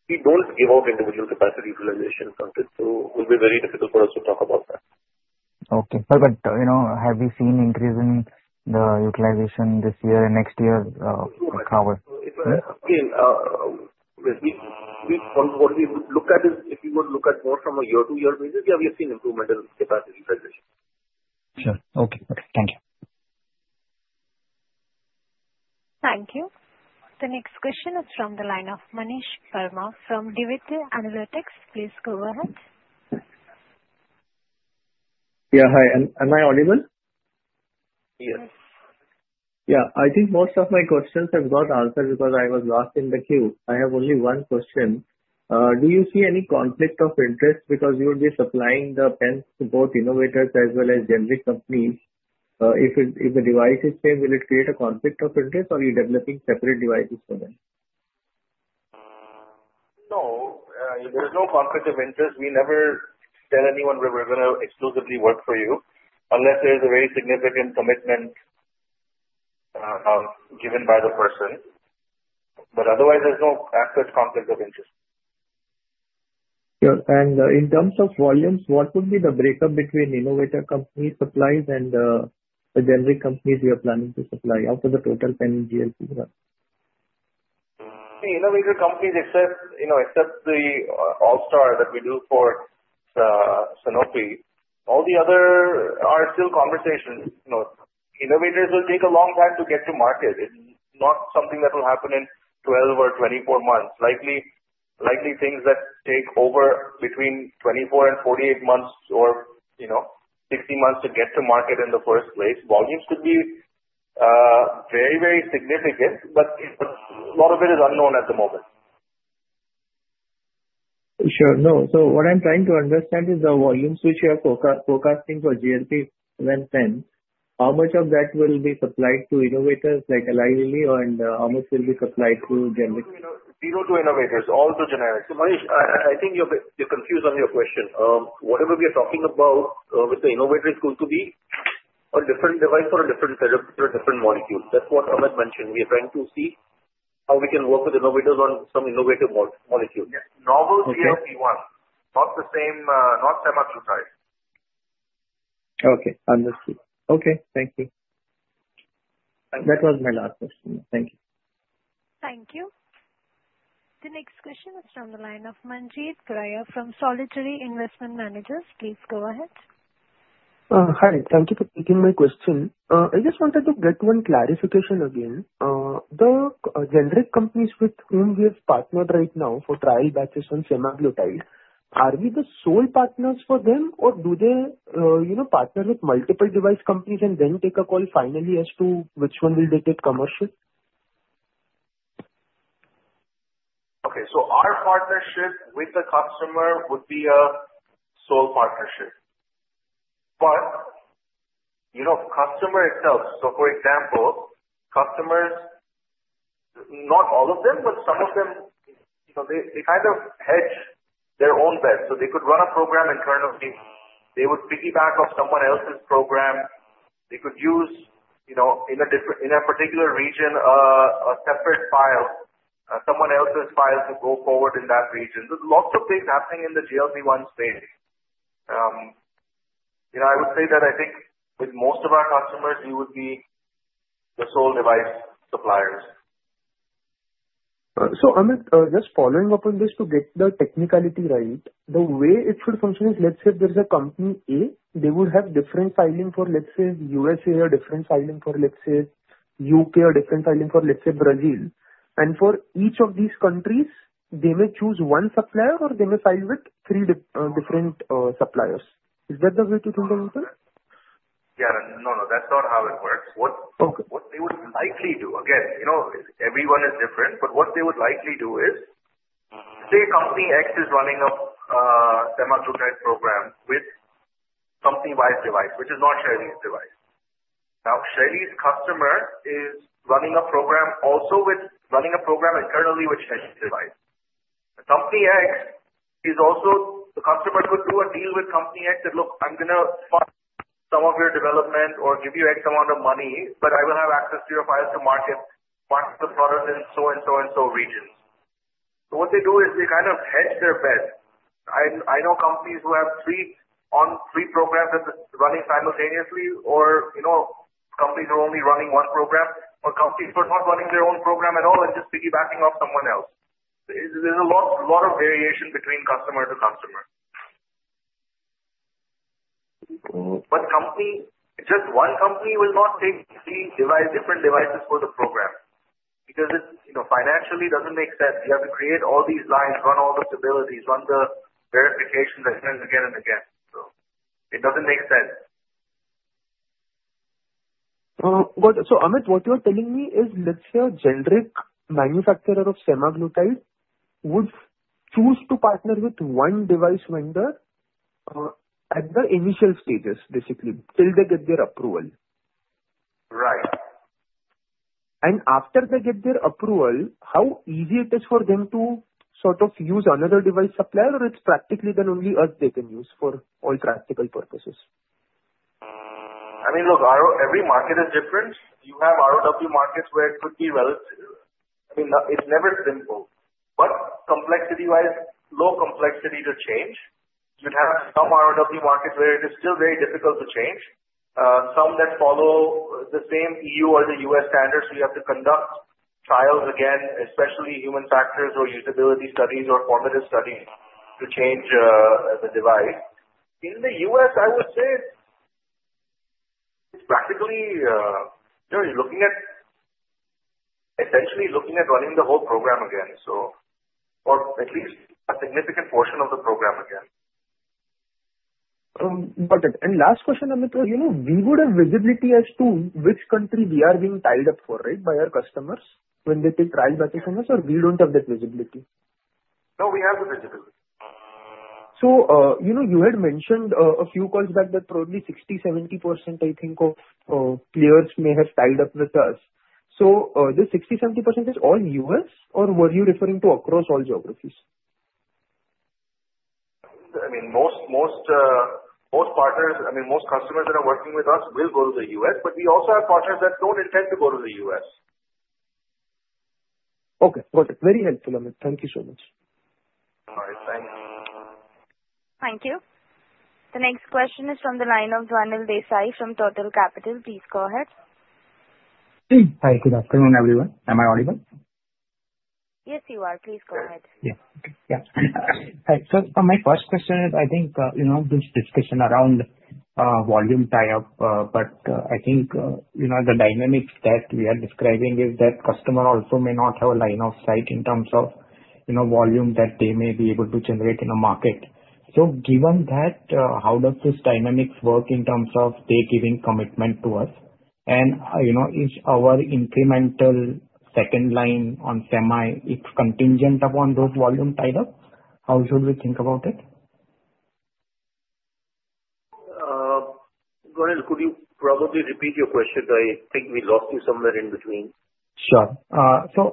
We don't give out individual capacity utilization numbers, so it will be very difficult for us to talk about that. Okay. Sir, have you seen increase in the utilization this year and next year, cover? Again, what we would look at is, if you were to look at more from a year-to-year basis, yeah, we have seen improvement in capacity utilization. Sure. Okay. Thank you. Thank you. The next question is from the line of Manish Verma from Divite Analytics. Please go ahead. Yeah. Hi. Am I audible? Yes. Yeah. I think most of my questions have got answered because I was last in the queue. I have only one question. Do you see any conflict of interest because you will be supplying the pens to both innovators as well as generic companies? If the device is same, will it create a conflict of interest or are you developing separate devices for them? No. There's no conflict of interest. We never tell anyone that we're going to exclusively work for you unless there's a very significant commitment given by the person. Otherwise, there's no actual conflict of interest. Sure. In terms of volumes, what would be the breakup between innovator company supplies and the generic companies you are planning to supply out of the total pen GLP-1? The innovator companies except the AllStar that we do for Sanofi, all the other are still conversations. Innovators will take a long time to get to market. It's not something that will happen in 12 or 24 months. Likely things that take over between 24 and 48 months or 60 months to get to market in the first place. Volumes could be very significant, but a lot of it is unknown at the moment. Sure. What I'm trying to understand is the volumes which you are forecasting for GLP-1 pens, how much of that will be supplied to innovators like Eli Lilly and how much will be supplied to generics? 0 to innovators, all to generics. Manish, I think you're confused on your question. Whatever we are talking about with the innovators could be a different device for a different therapy for a different molecule. That's what Amit mentioned. We are trying to see how we can work with innovators on some innovative molecules. Yes. Novel GLP-1. Not Semaglutide. Okay. Understood. Okay. Thank you. That was my last question. Thank you. Thank you. The next question is from the line of Manjeet Grahir from Solidarity Investment Managers. Please go ahead. Hi. Thank you for taking my question. I just wanted to get one clarification again. The generic companies with whom we have partnered right now for trial batches on Semaglutide, are we the sole partners for them or do they partner with multiple device companies and then take a call finally as to which one will they take commercial? Okay. Our partnership with the customer would be a sole partnership. Customer itself, so for example, customers, not all of them, but some of them, they kind of hedge their own bets. They could run a program internally. They would piggyback off someone else's program. They could use, in a particular region, a separate file, someone else's file to go forward in that region. There's lots of things happening in the GLP-1 space. I would say that I think with most of our customers, we would be the sole device suppliers. Amit, just following up on this to get the technicality right. The way it should function is, let's say there's a company A, they would have different filing for, let's say, U.S., different filing for, let's say, U.K., or different filing for, let's say, Brazil. For each of these countries, they may choose one supplier or they may file with three different suppliers. Is that the way to think of it, sir? Yeah. No, that's not how it works. Okay. What they would likely do, again, everyone is different, but what they would likely do is, say company X is running a Semaglutide program with company Y's device, which is not Shaily's device. Now, Shaily's customer is running a program internally with Shaily's device. The customer could do a deal with company X that, "Look, I'm going to fund some of your development or give you X amount of money, but I will have access to your file to market the product in so and so and so regions." What they do is they kind of hedge their bets. I know companies who have three programs running simultaneously or companies who are only running one program, or companies who are not running their own program at all and just piggybacking off someone else. There's a lot of variation between customer to customer. Just one company will not take three different devices for the program because financially, it doesn't make sense. You have to create all these lines, run all the stabilities, run the verification tests again and again. It doesn't make sense. Amit, what you're telling me is, let's say a generic manufacturer of Semaglutide would choose to partner with one device vendor at the initial stages, basically till they get their approval. Right. After they get their approval, how easy it is for them to sort of use another device supplier or it's practically then only us they can use for all practical purposes? I mean, look, every market is different. You have ROW markets where it could be relative. It's never simple, but complexity-wise, low complexity to change. You'd have some ROW markets where it is still very difficult to change. Some that follow the same EU or the U.S. standards, you have to conduct trials again, especially human factors or usability studies or formative studies to change the device. In the U.S., I would say it's practically looking at essentially running the whole program again, or at least a significant portion of the program again. Got it. Last question, Amit. We would have visibility as to which country we are being tied up for right by our customers when they take trial batches from us or we don't have that visibility? No, we have the visibility. You had mentioned a few calls back that probably 60, 70%, I think, of players may have tied up with us. This 60, 70% is all U.S. or were you referring to across all geographies? I mean, most customers that are working with us will go to the U.S., we also have partners that don't intend to go to the U.S. Okay. Got it. Very helpful, Amit. Thank you so much. All right. Thanks. Thank you. The next question is from the line of Gunil Desai from Turtle Capital. Please go ahead. Hi. Good afternoon, everyone. Am I audible? Yes, you are. Please go ahead. For my first question is, I think, this discussion around volume tie-up, but I think the dynamics that we are describing is that customer also may not have a line of sight in terms of volume that they may be able to generate in a market. Given that, how does these dynamics work in terms of they giving commitment to us and is our incremental second line on semi, it's contingent upon those volume tie-ups? How should we think about it? Gunil, could you probably repeat your question? I think we lost you somewhere in between. Sure.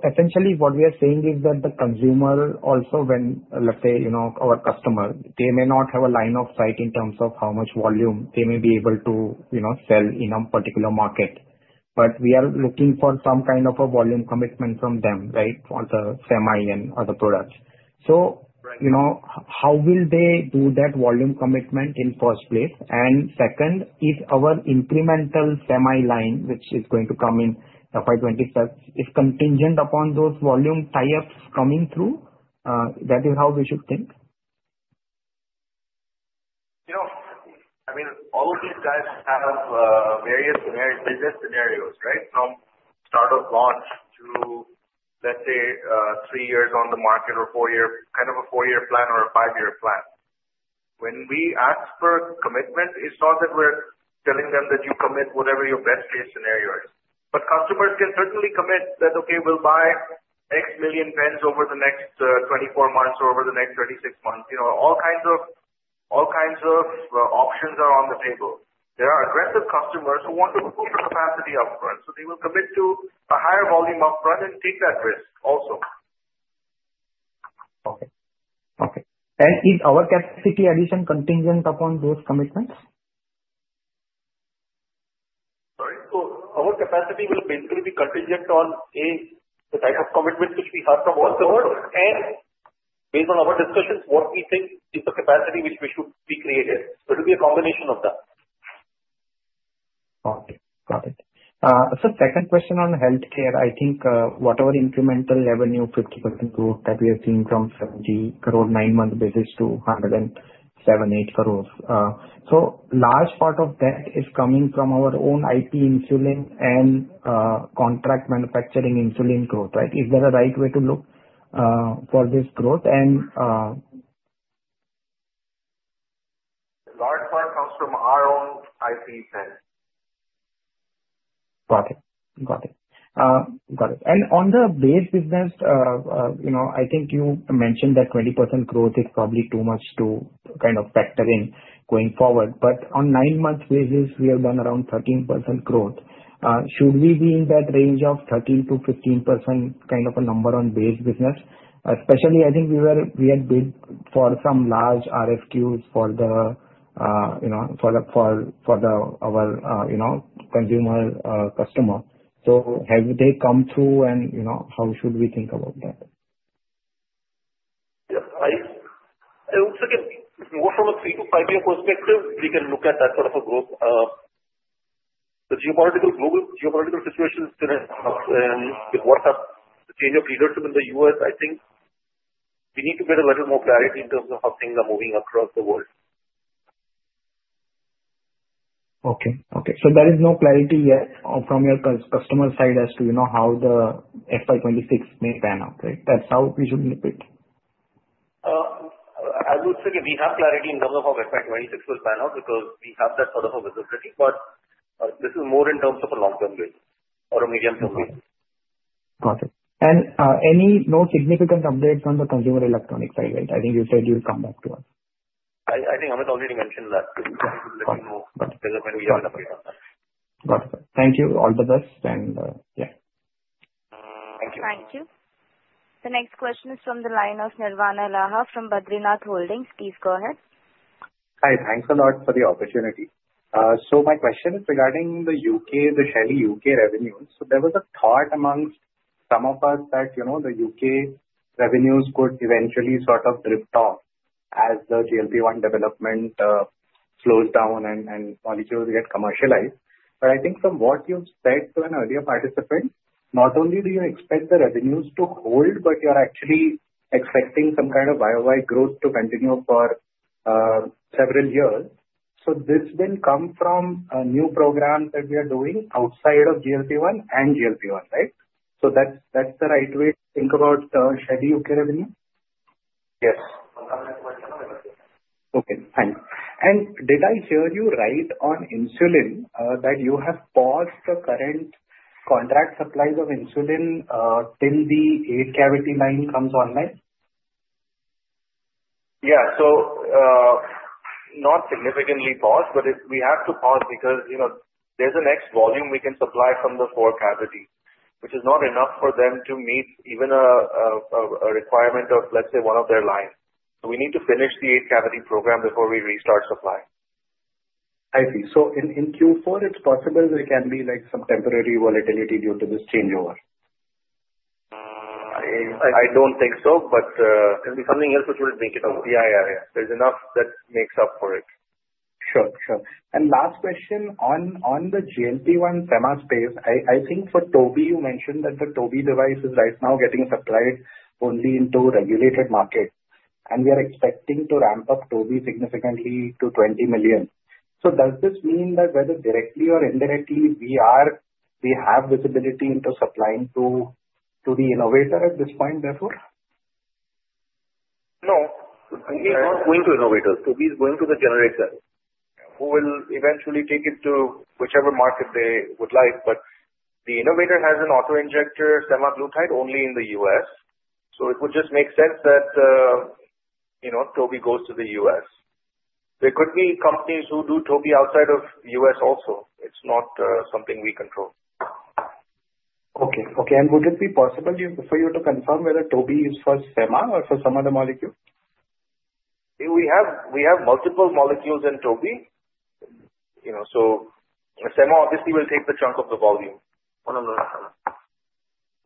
Essentially what we are saying is that the consumer also when, let's say, our customer, they may not have a line of sight in terms of how much volume they may be able to sell in a particular market. We are looking for some kind of a volume commitment from them, right, for the semi and other products. Right how will they do that volume commitment in first place? Second, is our incremental semi line, which is going to come in FY 2026, is contingent upon those volume tie-ups coming through? That is how we should think. All of these guys have various business scenarios right from startup launch to, let's say, three years on the market or kind of a four-year plan or a five-year plan. When we ask for commitment, it's not that we're telling them that you commit whatever your best-case scenario is. Customers can certainly commit that, okay, we'll buy X million pens over the next 24 months or over the next 36 months. All kinds of options are on the table. There are aggressive customers who want to book capacity upfront, so they will commit to a higher volume upfront and take that risk also. Okay. Is our capacity addition contingent upon those commitments? Sorry. Our capacity will basically be contingent on, A, the type of commitment which we have from our customers and based on our discussions what we think is the capacity which we should be creating. It'll be a combination of that. Got it. Sir, second question on healthcare. I think whatever incremental revenue, 50% growth that we are seeing from 70 crore nine-month basis to 178 crore. Large part of that is coming from our own IP insulin and contract manufacturing insulin growth, right. Is that a right way to look for this growth and The large part comes from our own IP pens. Got it. On the base business, I think you mentioned that 20% growth is probably too much to factor in going forward. On nine-month basis, we have done around 13% growth. Should we be in that range of 13%-15% kind of a number on base business? Especially, I think we had bid for some large RFQs for our consumer customer. Have they come through and how should we think about that? Yes. I would say that more from a 3-5-year perspective, we can look at that sort of a growth. The geopolitical situation has been, with what happened, the change of leadership in the U.S., I think we need to get a little more clarity in terms of how things are moving across the world. Okay. There is no clarity yet from your customer side as to how the FY 2026 may pan out, right? That's how we should look at it. I would say we have clarity in terms of how FY 2026 will pan out because we have that sort of a visibility. This is more in terms of a long-term view or a medium-term view. Got it. Any more significant updates on the consumer electronics side? I think you said you'll come back to us. I think Amit already mentioned that. We will let you know as and when we have an update on that. Got it. Thank you. All the best. Thank you. The next question is from the line of Nirvana Laha from Badrinath Holdings. Please go ahead. Hi. Thanks a lot for the opportunity. My question is regarding the U.K., the Shaily UK revenues. There was a thought amongst some of us that the U.K. revenues could eventually sort of drift off as the GLP-1 development slows down and molecules get commercialized. I think from what you've said to an earlier participant, not only do you expect the revenues to hold, but you're actually expecting some kind of Y-o-Y growth to continue for several years. This will come from a new program that we are doing outside of GLP-1 and GLP-1, right? That's the right way to think about the Shaily UK revenue? Yes. Okay, thanks. Did I hear you right on insulin, that you have paused the current contract supplies of insulin till the eight-cavity line comes online? Yeah. Not significantly paused, but we have to pause because there's an X volume we can supply from the four cavities, which is not enough for them to meet even a requirement of, let's say, one of their lines. We need to finish the eight-cavity program before we restart supply. I see. In Q4, it's possible there can be some temporary volatility due to this changeover. I don't think so, there'll be something else which will make it over. Yeah. There's enough that makes up for it. Sure. Last question on the GLP-1 sema space, I think for Toby you mentioned that the Toby device is right now getting supplied only in two regulated markets, we are expecting to ramp up Toby significantly to 20 million. Does this mean that whether directly or indirectly, we have visibility into supplying to the innovator at this point therefore? No. Toby is not going to innovators. Toby is going to the generator. Who will eventually take it to whichever market they would like, but the innovator has an auto-injector semaglutide only in the U.S. It would just make sense that Toby goes to the U.S. There could be companies who do Toby outside of U.S. also. It's not something we control. Okay. Would it be possible for you to confirm whether Toby is for sema or for some other molecule? We have multiple molecules in Toby. sema obviously will take the chunk of the volume.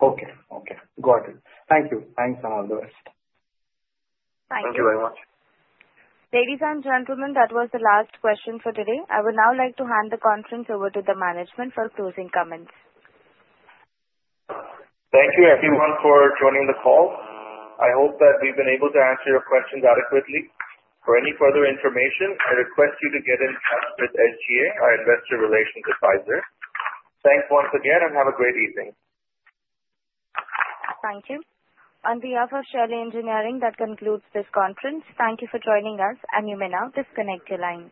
Okay. Got it. Thank you. Thanks, and all the best. Thank you. Thank you very much. Ladies and gentlemen, that was the last question for today. I would now like to hand the conference over to the management for closing comments. Thank you everyone for joining the call. I hope that we've been able to answer your questions adequately. For any further information, I request you to get in touch with SGA, our investor relations advisor. Thanks once again. Have a great evening. Thank you. On behalf of Shaily Engineering, that concludes this conference. Thank you for joining us. You may now disconnect your lines.